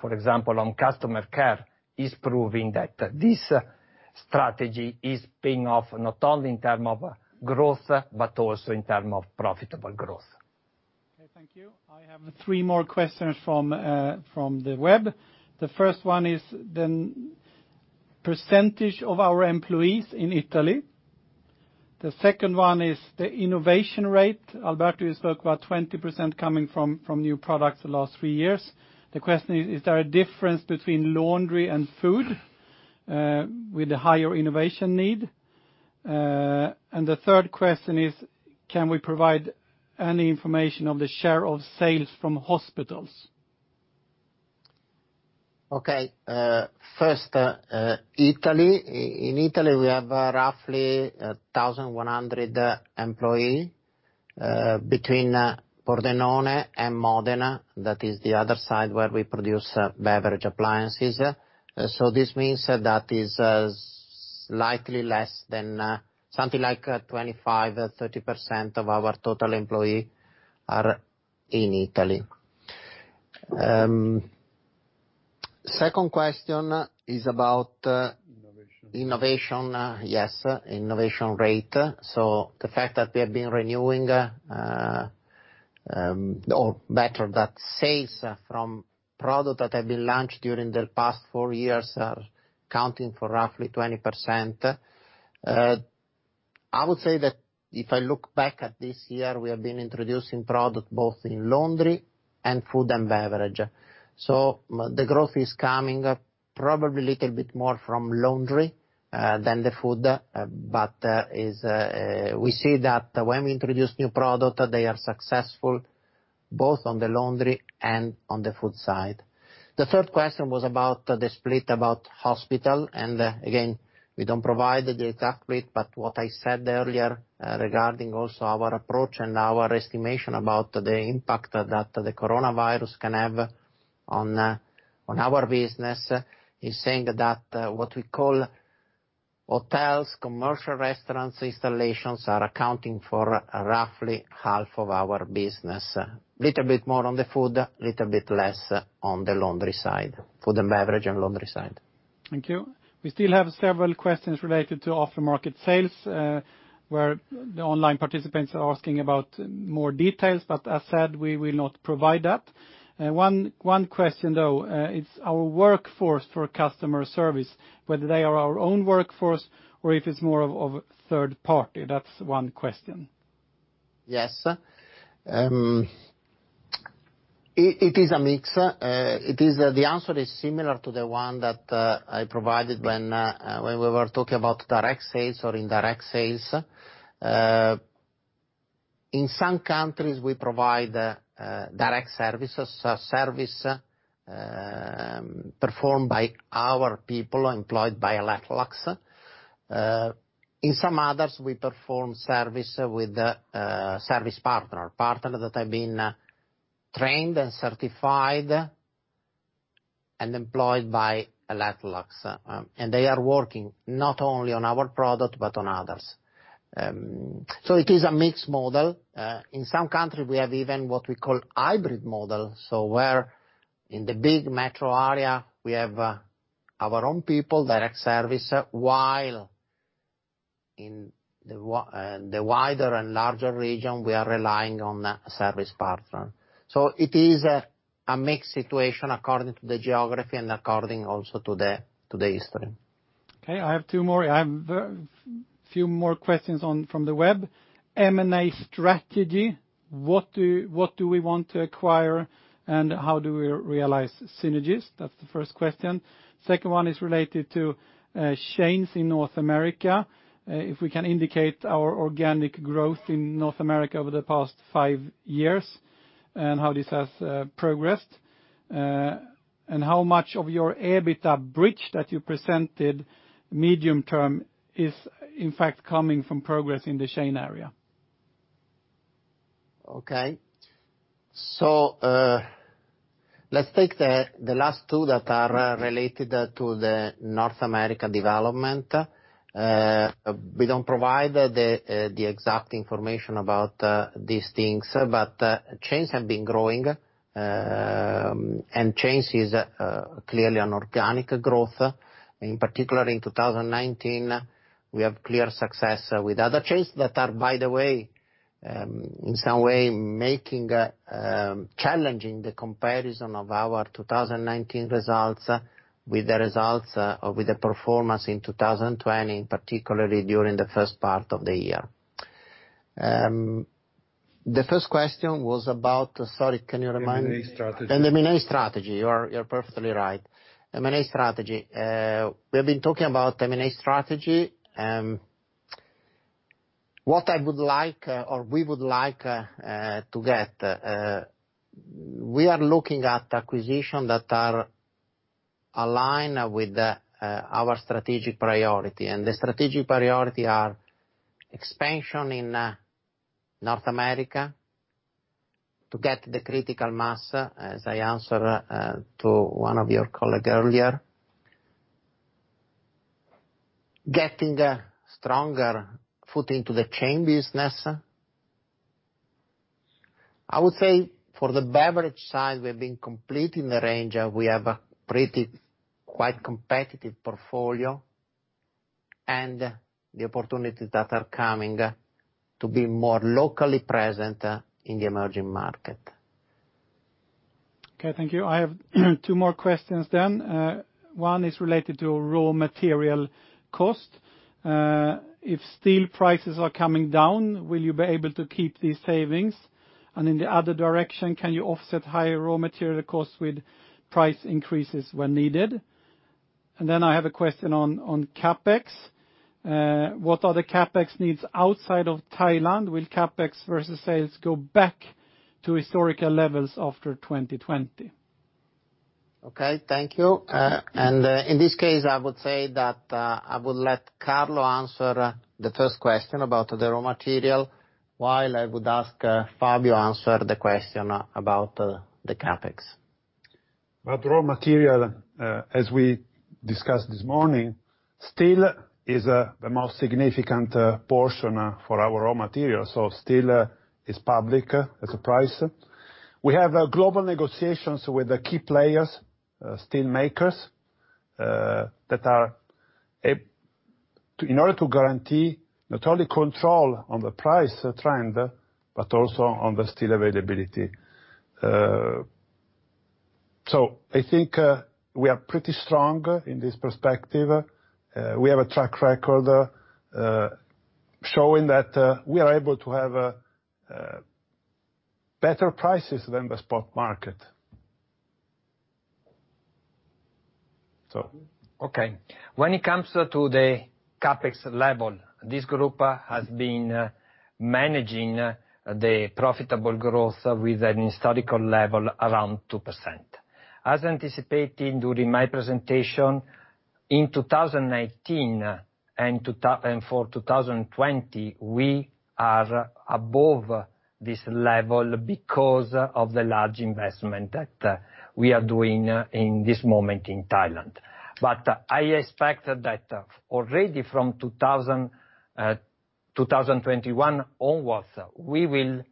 for example, on customer care, is proving that this strategy is paying off not only in terms of growth, but also in terms of profitable growth. Okay. Thank you. I have three more questions from the web. The first one is the percentage of our employees in Italy. The second one is the innovation rate. Alberto, you spoke about 20% coming from new products the last three years. The question is, is there a difference between laundry and food with a higher innovation need? And the third question is, can we provide any information on the share of sales from hospitals? Okay. First, Italy. In Italy, we have roughly 1,100 employees between Pordenone and Modena. That is the other side where we produce beverage appliances. So this means that it's slightly less than something like 25%-30% of our total employees are in Italy. Second question is about. Innovation. Innovation. Yes. Innovation rate. So the fact that we have been renewing or better, that sales from products that have been launched during the past four years are accounting for roughly 20%. I would say that if I look back at this year, we have been introducing products both in laundry and food and beverage. So the growth is coming probably a little bit more from laundry than the food, but we see that when we introduce new products, they are successful both on the laundry and on the food side. The third question was about the split about hospital. And again, we don't provide the exact split, but what I said earlier regarding also our approach and our estimation about the impact that the coronavirus can have on our business is saying that what we call hotels, commercial restaurants, installations are accounting for roughly half of our business. A little bit more on the food, a little bit less on the laundry side, food and beverage and laundry side. Thank you. We still have several questions related to aftermarket sales where the online participants are asking about more details, but as said, we will not provide that. One question though, it's our workforce for customer service, whether they are our own workforce or if it's more of a third party. That's one question. Yes. It is a mix. The answer is similar to the one that I provided when we were talking about direct sales or indirect sales. In some countries, we provide direct services, service performed by our people employed by Electrolux. In some others, we perform service with service partners, partners that have been trained and certified and employed by Electrolux, and they are working not only on our product, but on others, so it is a mixed model. In some countries, we have even what we call hybrid model, so where in the big metro area, we have our own people, direct service, while in the wider and larger region, we are relying on service partners, so it is a mixed situation according to the geography and according also to the history. Okay. I have two more. I have a few more questions from the web. M&A strategy, what do we want to acquire and how do we realize synergies? That's the first question. Second one is related to chains in North America. If we can indicate our organic growth in North America over the past five years and how this has progressed and how much of your EBITDA bridge that you presented medium term is in fact coming from progress in the chain area? Okay. So let's take the last two that are related to the North America development. We don't provide the exact information about these things, but chains have been growing and chains is clearly an organic growth. In particular, in 2019, we have clear success with other chains that are, by the way, in some way making challenging the comparison of our 2019 results with the results or with the performance in 2020, particularly during the first part of the year. The first question was about, sorry, can you remind me? M&A strategy. The M&A strategy. You're perfectly right. M&A strategy. We have been talking about M&A strategy. What I would like or we would like to get, we are looking at acquisitions that are aligned with our strategic priority. The strategic priority are expansion in North America to get the critical mass, as I answered to one of your colleagues earlier, getting a stronger foot into the chain business. I would say for the beverage side, we have been completely in the range of we have a pretty quite competitive portfolio and the opportunities that are coming to be more locally present in the emerging market. Okay. Thank you. I have two more questions then. One is related to raw material cost. If steel prices are coming down, will you be able to keep these savings? And in the other direction, can you offset higher raw material costs with price increases when needed? And then I have a question on CapEx. What are the CapEx needs outside of Thailand? Will CapEx versus sales go back to historical levels after 2020? Okay. Thank you. And in this case, I would say that I would let Carlo answer the first question about the raw material while I would ask Fabio answer the question about the CapEx. But raw material, as we discussed this morning, steel is the most significant portion for our raw material. So steel is public as a price. We have global negotiations with the key players, steel makers, that are in order to guarantee not only control on the price trend, but also on the steel availability. So I think we are pretty strong in this perspective. We have a track record showing that we are able to have better prices than the spot market. Okay. When it comes to the CapEx level, this group has been managing the profitable growth with an historical level around 2%. As anticipated during my presentation, in 2019 and for 2020, we are above this level because of the large investment that we are doing in this moment in Thailand. But I expect that already from 2021 onwards, we will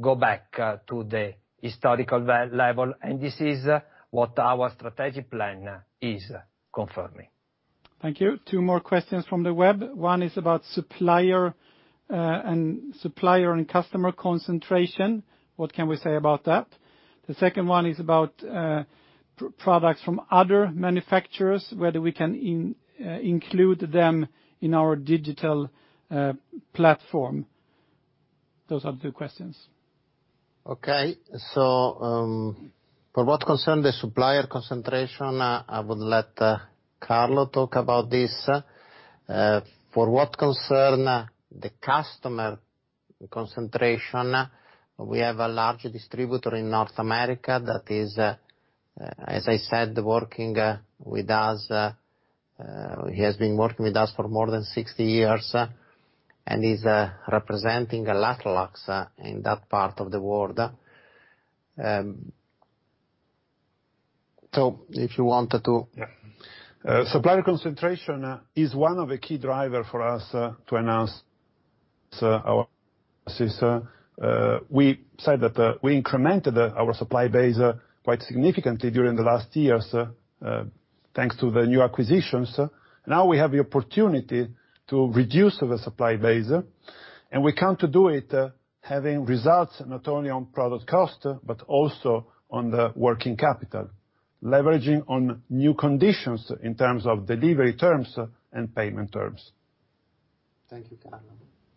go back to the historical level, and this is what our strategic plan is confirming. Thank you. Two more questions from the web. One is about supplier and customer concentration. What can we say about that? The second one is about products from other manufacturers, whether we can include them in our digital platform. Those are the two questions. Okay. So for what concerns the supplier concentration, I would let Carlo talk about this. For what concerns the customer concentration, we have a large distributor in North America that is, as I said, working with us. He has been working with us for more than 60 years and is representing Electrolux in that part of the world. So if you wanted to. Supplier concentration is one of the key drivers for us to enhance our alliances. We said that we incremented our supply base quite significantly during the last years thanks to the new acquisitions. Now we have the opportunity to reduce the supply base, and we can do it having results not only on product cost, but also on the working capital, leveraging on new conditions in terms of delivery terms and payment terms. Thank you, Carlo.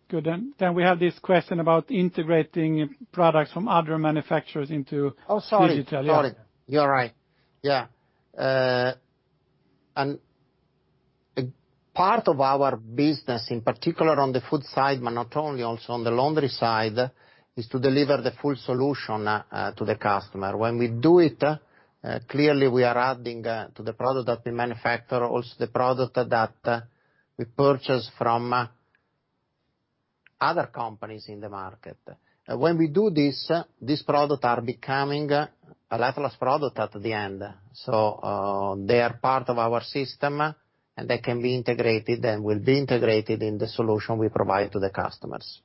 Good. And then we have this question about integrating products from other manufacturers into digital. Oh, sorry. Sorry. You're right. Yeah. And part of our business, in particular on the food side, but not only, also on the laundry side, is to deliver the full solution to the customer. When we do it, clearly we are adding to the product that we manufacture, also the product that we purchase from other companies in the market. When we do this, these products are becoming Electrolux products at the end. So they are part of our system and they can be integrated and will be integrated in the solution we provide to the customers.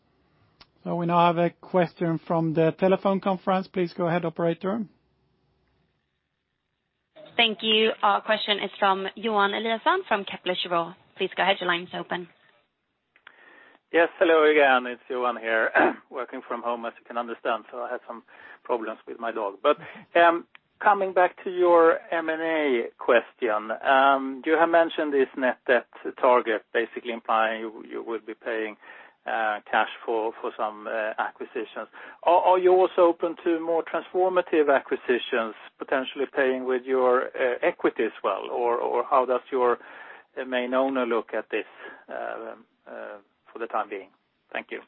So we now have a question from the telephone conference. Please go ahead, operator. Thank you. Our question is from Johan Eliason from Kepler Cheuvreux. Please go ahead. Your line is open. Yes. Hello again. It's Johan here, working from home, as you can understand. So I had some problems with my dog. But coming back to your M&A question, you have mentioned this net debt target, basically implying you will be paying cash for some acquisitions. Are you also open to more transformative acquisitions, potentially paying with your equity as well? Or how does your main owner look at this for the time being? Thank you.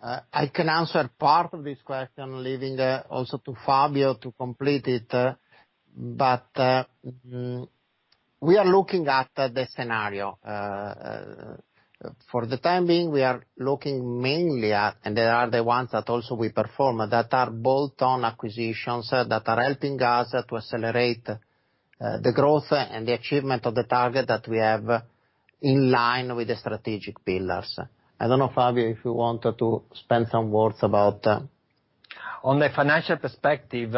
I can answer part of this question, leaving also to Fabio to complete it. But we are looking at the scenario. For the time being, we are looking mainly at, and they are the ones that also we perform, that are bolt-on acquisitions that are helping us to accelerate the growth and the achievement of the target that we have in line with the strategic pillars. I don't know, Fabio, if you wanted to spend some words about. On the financial perspective,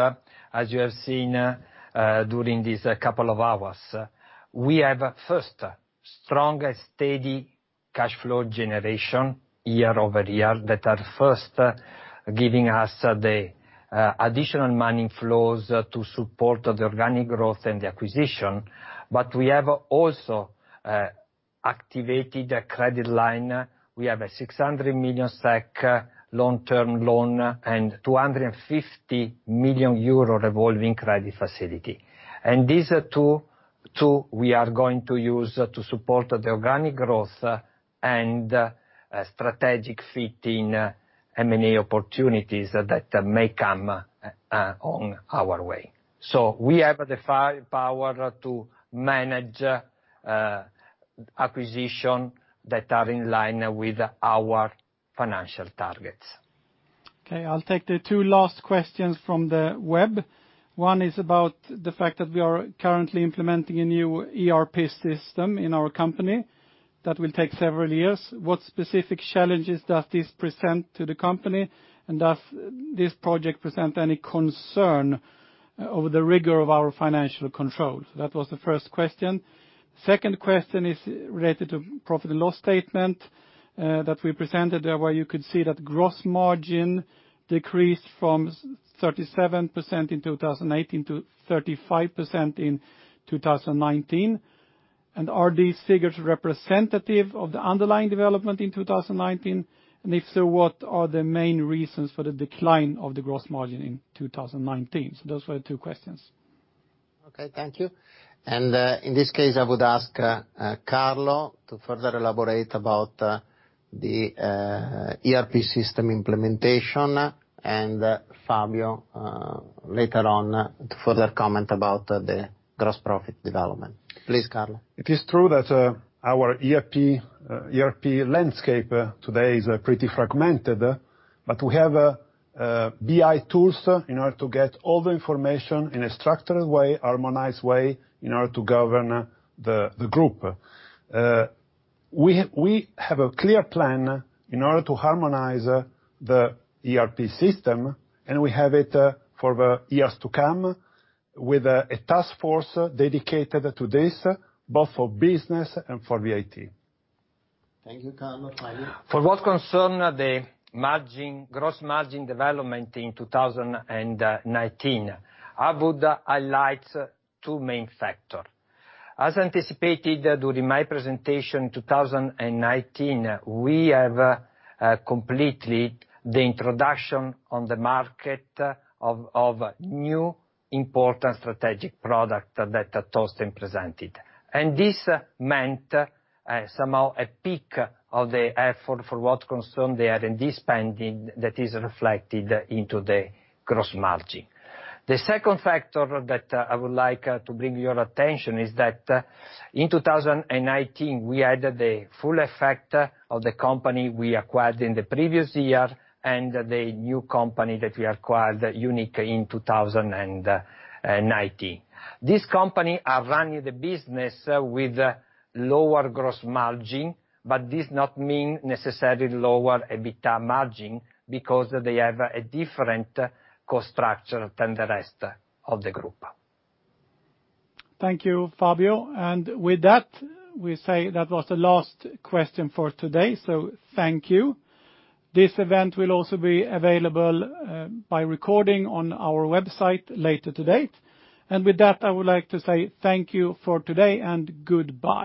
as you have seen during these couple of hours, we have first strong and steady cash flow generation year over year that are first giving us the additional money flows to support the organic growth and the acquisition. But we have also activated a credit line. We have a 600 million SEK long-term loan and 250 million euro revolving credit facility. These two, we are going to use to support the organic growth and strategic fitting M&A opportunities that may come on our way. We have the power to manage acquisitions that are in line with our financial targets. Okay. I'll take the two last questions from the web. One is about the fact that we are currently implementing a new ERP system in our company that will take several years. What specific challenges does this present to the company? And does this project present any concern over the rigor of our financial control? That was the first question. Second question is related to profit and loss statement that we presented there where you could see that gross margin decreased from 37% in 2018 to 35% in 2019. And are these figures representative of the underlying development in 2019? And if so, what are the main reasons for the decline of the gross margin in 2019? So those were the two questions. Okay. Thank you. In this case, I would ask Carlo to further elaborate about the ERP system implementation and Fabio later on to further comment about the gross profit development. Please, Carlo. It is true that our ERP landscape today is pretty fragmented, but we have BI tools in order to get all the information in a structured way, harmonized way in order to govern the group. We have a clear plan in order to harmonize the ERP system, and we have it for the years to come with a task force dedicated to this, both for business and for IT. Thank you, Carlo. For what concerns the gross margin development in 2019, I would highlight two main factors. As anticipated during my presentation in 2019, we have completed the introduction on the market of new important strategic products that Torsten presented. And this meant somehow a peak of the effort for what concerns the R&D spending that is reflected into the gross margin. The second factor that I would like to bring your attention is that in 2019, we had the full effect of the company we acquired in the previous year and the new company that we acquired, Unic, in 2019. These companies are running the business with lower gross margin, but this does not mean necessarily lower EBITDA margin because they have a different cost structure than the rest of the group. Thank you, Fabio. And with that, we say that was the last question for today. So thank you. This event will also be available by recording on our website later today. And with that, I would like to say thank you for today and goodbye.